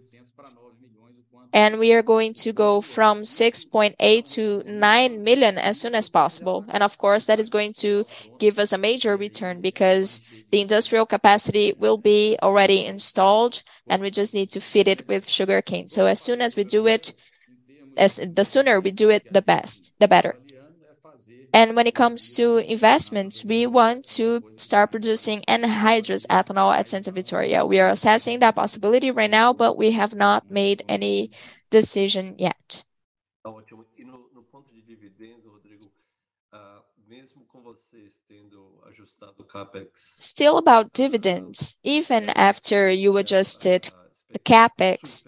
and we are going to go from 6.8 million tons-9 million tons as soon as possible. Of course, that is going to give us a major return because the industrial capacity will be already installed, and we just need to feed it with sugarcane. As soon as we do it, the sooner we do it, the best, the better. When it comes to investments, we want to start producing anhydrous ethanol at Santa Vitória. We are assessing that possibility right now, but we have not made any decision yet. Still about dividends, even after you adjusted the CapEx,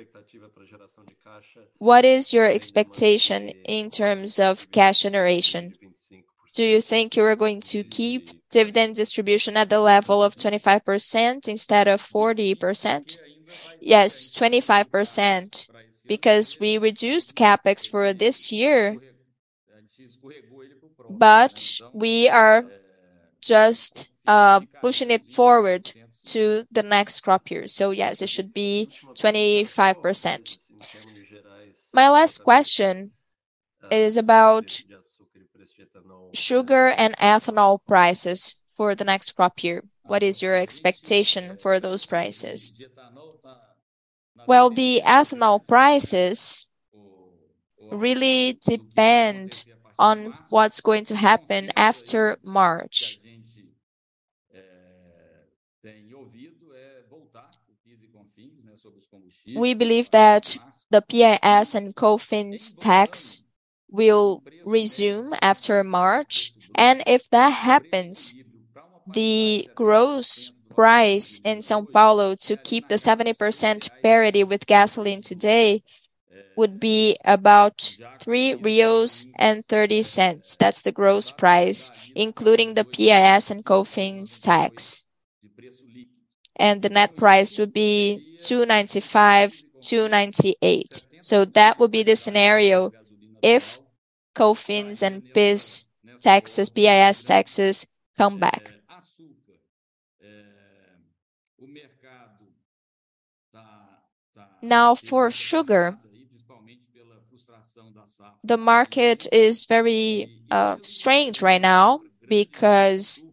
what is your expectation in terms of cash generation? Do you think you are going to keep dividend distribution at the level of 25% instead of 40%? Yes, 25% because we reduced CapEx for this year, but we are just pushing it forward to the next crop year. Yes, it should be 25%. My last question is about sugar and ethanol prices for the next crop year. What is your expectation for those prices? The ethanol prices really depend on what's going to happen after March. We believe that the PIS and COFINS tax will resume after March. If that happens, the gross price in São Paulo to keep the 70% parity with gasoline today would be about 3.30. That's the gross price, including the PIS and COFINS tax. The net price would be 2.95-2.98. That would be the scenario if COFINS and PIS taxes come back. Now for sugar, the market is very strange right now because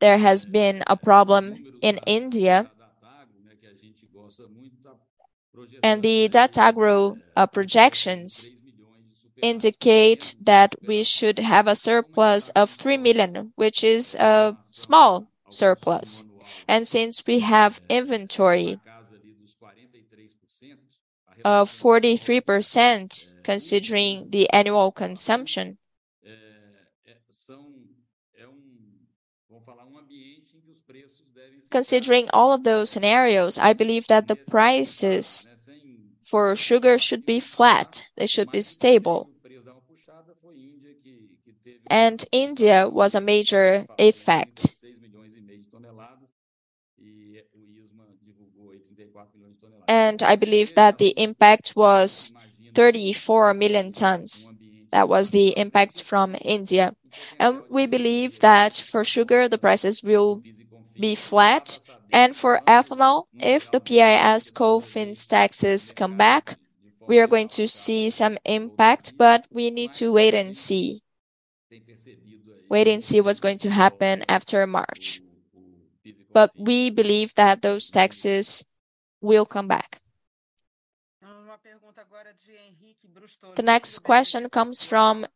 there has been a problem in India. The DATAGRO projections indicate that we should have a surplus of 3 million, which is a small surplus. Since we have inventory of 43%, considering the annual consumption, considering all of those scenarios, I believe that the prices for sugar should be flat. They should be stable. India was a major effect. I believe that the impact was 34 million tons. That was the impact from India. We believe that for sugar, the prices will be flat. For ethanol, if the PIS, COFINS taxes come back, we are going to see some impact, but we need to wait and see. Wait and see what's going to happen after March. We believe that those taxes will come back. The next question comes from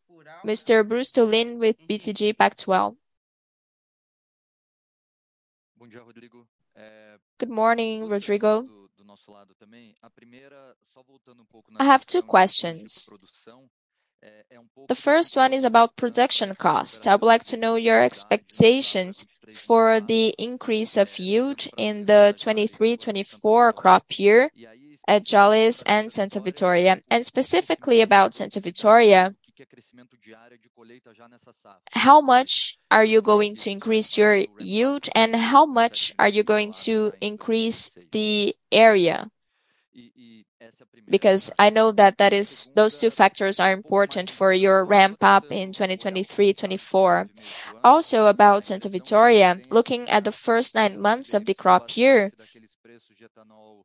Mr. Brustolin with BTG Pactual. Good morning, Rodrigo. I have two questions. The first one is about production costs. I would like to know your expectations for the increase of yield in the 2023-2024 crop year at Jalles and Santa Vitória. Specifically about Santa Vitória, how much are you going to increase your yield, and how much are you going to increase the area? Because I know that those two factors are important for your ramp up in 2023, 2024. About Santa Vitória, looking at the first nine months of the crop year,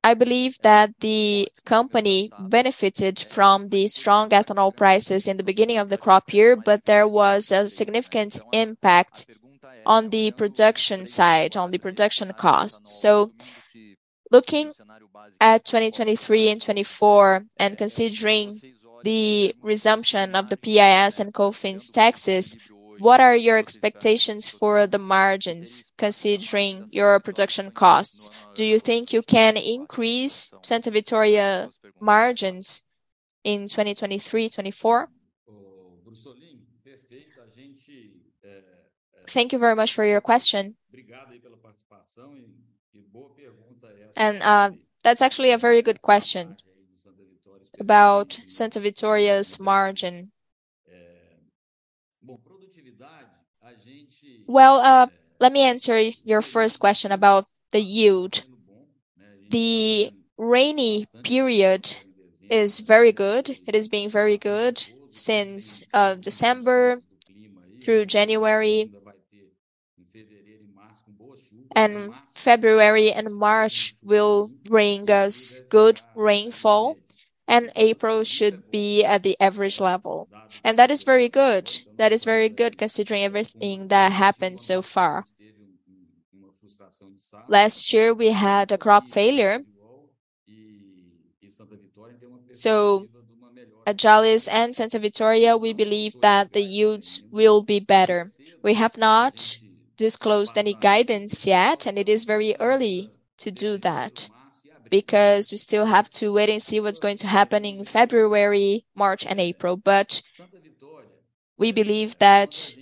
I believe that the company benefited from the strong ethanol prices in the beginning of the crop year, but there was a significant impact on the production side, on the production costs. Looking at 2023 and 2024, and considering the resumption of the PIS and COFINS taxes, what are your expectations for the margins considering your production costs? Do you think you can increase Santa Vitória margins in 2023, 2024? Thank you very much for your question. That's actually a very good question about Santa Vitória's margin. Well, let me answer your first question about the yield. The rainy period is very good. It has been very good since December through January. February and March will bring us good rainfall, and April should be at the average level. That is very good. That is very good considering everything that happened so far. Last year, we had a crop failure. At Jalles and Santa Vitória, we believe that the yields will be better. We have not disclosed any guidance yet, and it is very early to do that because we still have to wait and see what's going to happen in February, March, and April. We believe that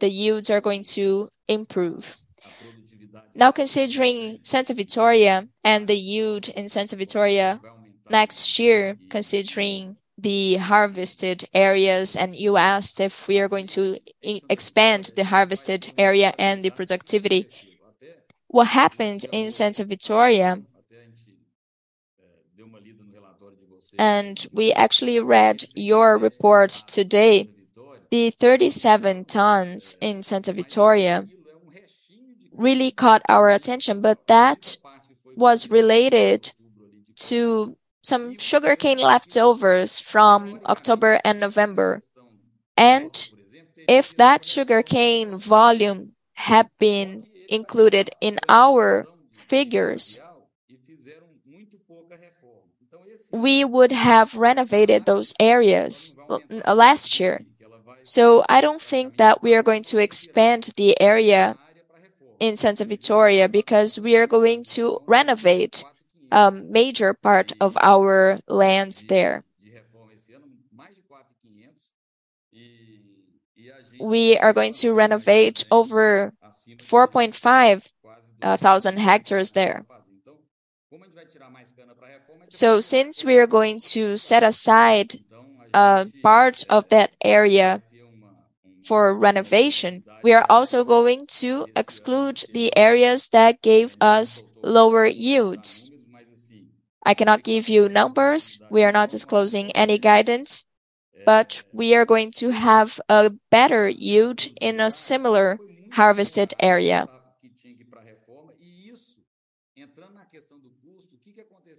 the yields are going to improve. Considering Santa Vitória and the yield in Santa Vitória next year, considering the harvested areas, and you asked if we are going to expand the harvested area and the productivity. What happened in Santa Vitória, and we actually read your report today, the 37 tons in Santa Vitória really caught our attention, but that was related to some sugarcane leftovers from October and November. If that sugarcane volume had been included in our figures, we would have renovated those areas last year. I don't think that we are going to expand the area in Santa Vitória because we are going to renovate a major part of our lands there. We are going to renovate over 4,500 hectares there. Since we are going to set aside a part of that area for renovation, we are also going to exclude the areas that gave us lower yields. I cannot give you numbers. We are not disclosing any guidance, but we are going to have a better yield in a similar harvested area.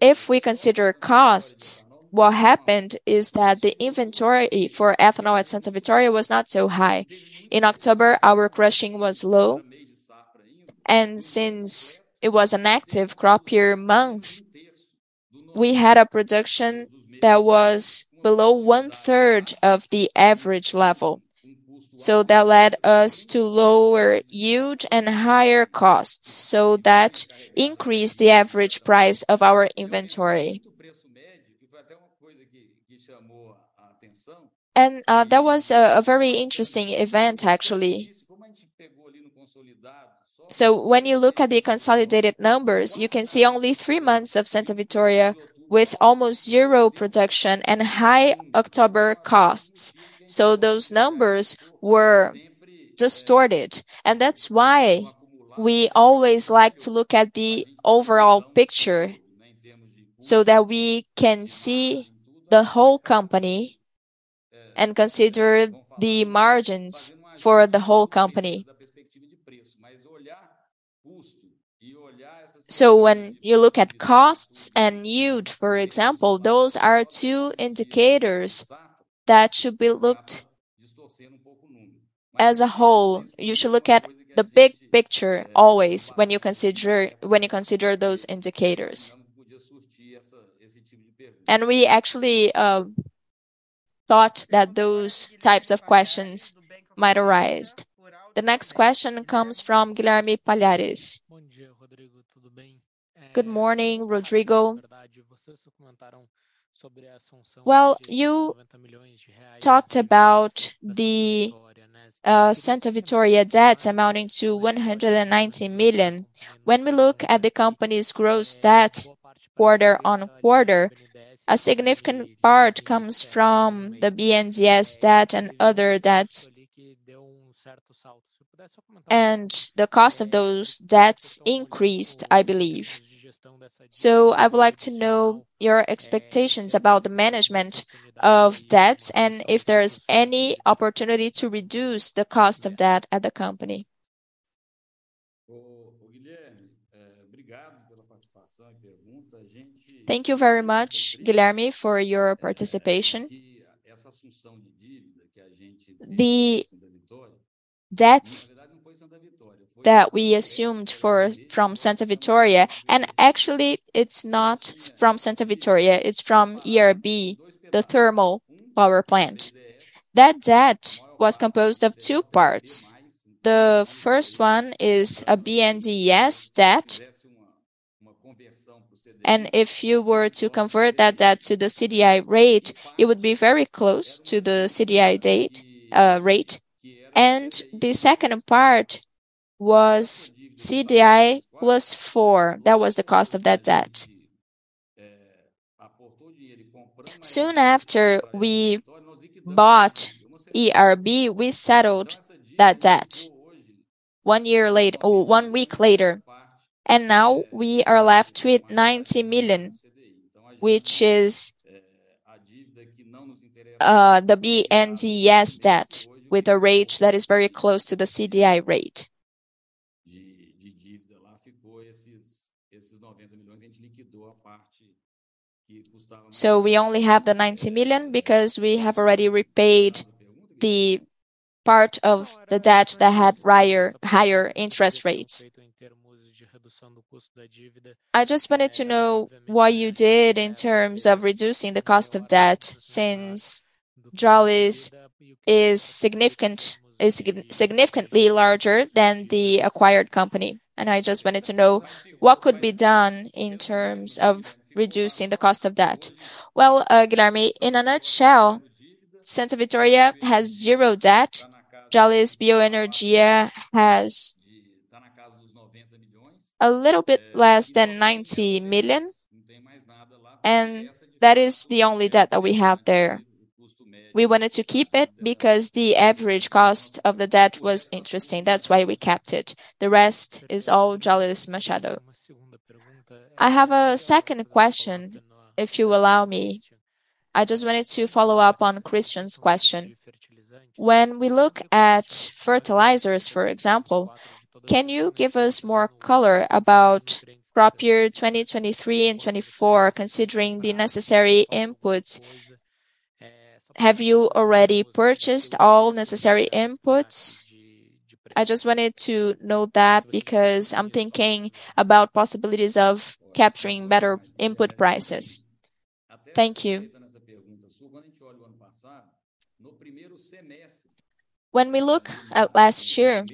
If we consider costs, what happened is that the inventory for ethanol at Santa Vitória was not so high. In October, our crushing was low, and since it was an active crop year month, we had a production that was below one-third of the average level. That led us to lower yield and higher costs. That increased the average price of our inventory. That was a very interesting event actually. When you look at the consolidated numbers, you can see only three months of Santa Vitória with almost zero production and high October costs. Those numbers were distorted, and that's why we always like to look at the overall picture, so that we can see the whole company and consider the margins for the whole company. When you look at costs and yield, for example, those are two indicators that should be looked as a whole. You should look at the big picture always when you consider those indicators. We actually thought that those types of questions might arise. The next question comes from Guilherme Palhares. Good morning, Rodrigo. Well, you talked about the Santa Vitória debt amounting to 190 million. When we look at the company's gross debt quarter-on-quarter, a significant part comes from the BNDES debt and other debts. The cost of those debts increased, I believe. I would like to know your expectations about the management of debts and if there is any opportunity to reduce the cost of debt at the company. Thank you very much, Guilherme, for your participation. The debts that we assumed for, from Santa Vitória, and actually it's not from Santa Vitória, it's from ERB, the thermal power plant. That debt was composed of two parts. The first one is a BNDES debt. If you were to convert that debt to the CDI rate, it would be very close to the CDI rate. The second part was CDI plus four. That was the cost of that debt. Soon after we bought ERB, we settled that debt one year late or one week later, and now we are left with 90 million, which is the BNDES debt with a rate that is very close to the CDI rate. We only have the 90 million because we have already repaid the part of the debt that had higher interest rates. I just wanted to know what you did in terms of reducing the cost of debt since Jalles is significantly larger than the acquired company. I just wanted to know what could be done in terms of reducing the cost of debt? Guilherme, in a nutshell, Santa Vitória has 0 debt. Jalles Bioenergia has a little bit less than 90 million, and that is the only debt that we have there. We wanted to keep it because the average cost of the debt was interesting. That's why we kept it. The rest is all Jalles Machado. I have a second question, if you allow me. I just wanted to follow up on Christian's question. When we look at fertilizers, for example, can you give us more color about crop year 2023 and 2024, considering the necessary inputs. Have you already purchased all necessary inputs? I just wanted to know that because I'm thinking about possibilities of capturing better input prices. Thank you. When we look at last year,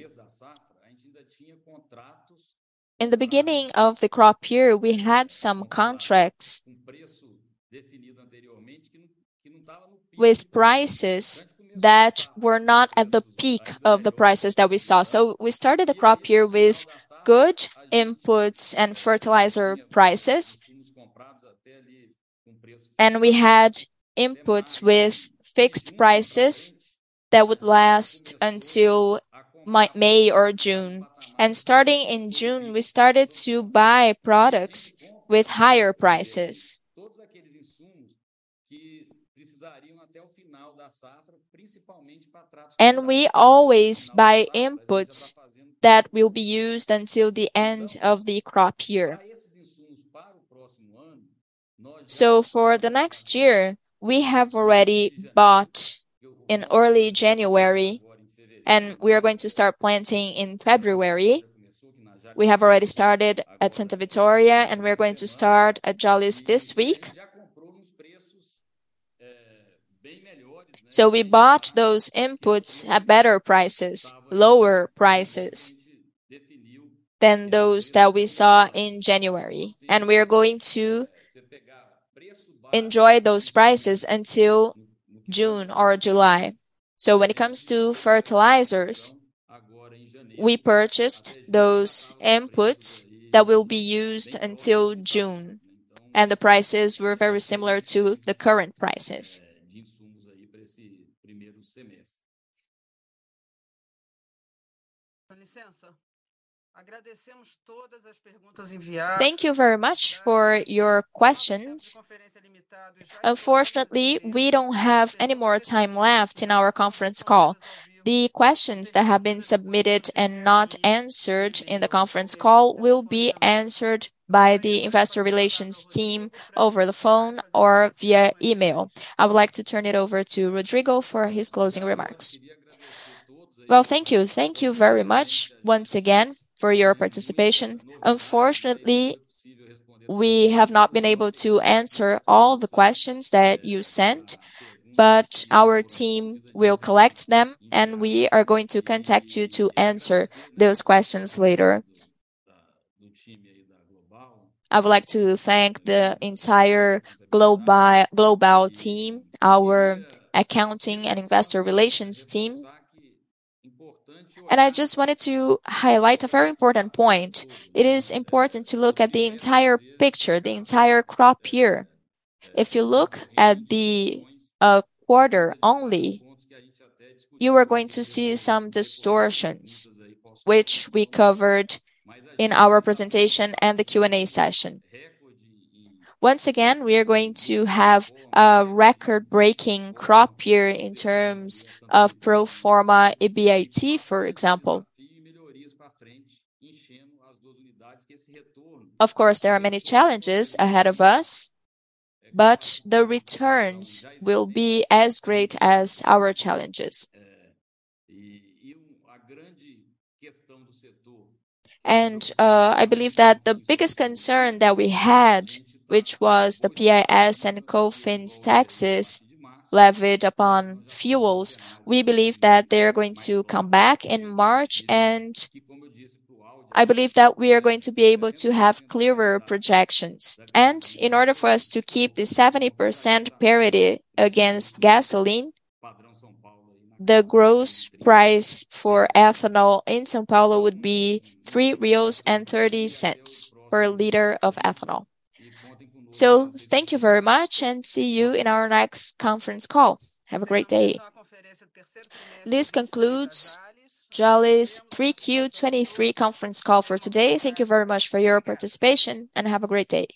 in the beginning of the crop year, we had some contracts with prices that were not at the peak of the prices that we saw. We started the crop year with good inputs and fertilizer prices. We had inputs with fixed prices that would last until May or June. Starting in June, we started to buy products with higher prices. We always buy inputs that will be used until the end of the crop year. For the next year, we have already bought in early January, and we are going to start planting in February. We have already started at Santa Vitória, and we're going to start at Jalles this week. We bought those inputs at better prices, lower prices than those that we saw in January. We are going to enjoy those prices until June or July. When it comes to fertilizers, we purchased those inputs that will be used until June, and the prices were very similar to the current prices. Thank you very much for your questions. Unfortunately, we don't have any more time left in our conference call. The questions that have been submitted and not answered in the conference call will be answered by the investor relations team over the phone or via email. I would like to turn it over to Rodrigo for his closing remarks. Well, thank you. Thank you very much once again for your participation. Unfortunately, we have not been able to answer all the questions that you sent, but our team will collect them, and we are going to contact you to answer those questions later. I would like to thank the entire global team, our accounting and investor relations team. I just wanted to highlight a very important point. It is important to look at the entire picture, the entire crop year. If you look at the quarter only, you are going to see some distortions which we covered in our presentation and the Q&A session. Once again, we are going to have a record-breaking crop year in terms of pro forma EBIT, for example. Of course, there are many challenges ahead of us, but the returns will be as great as our challenges. I believe that the biggest concern that we had, which was the PIS and COFINS taxes levied upon fuels, we believe that they are going to come back in March. I believe that we are going to be able to have clearer projections. In order for us to keep the 70% parity against gasoline, the gross price for ethanol in São Paulo would be 3.30 reais per liter of ethanol. Thank you very much and see you in our next conference call. Have a great day. This concludes Jalles' 3Q 2023 conference call for today. Thank you very much for your participation, and have a great day.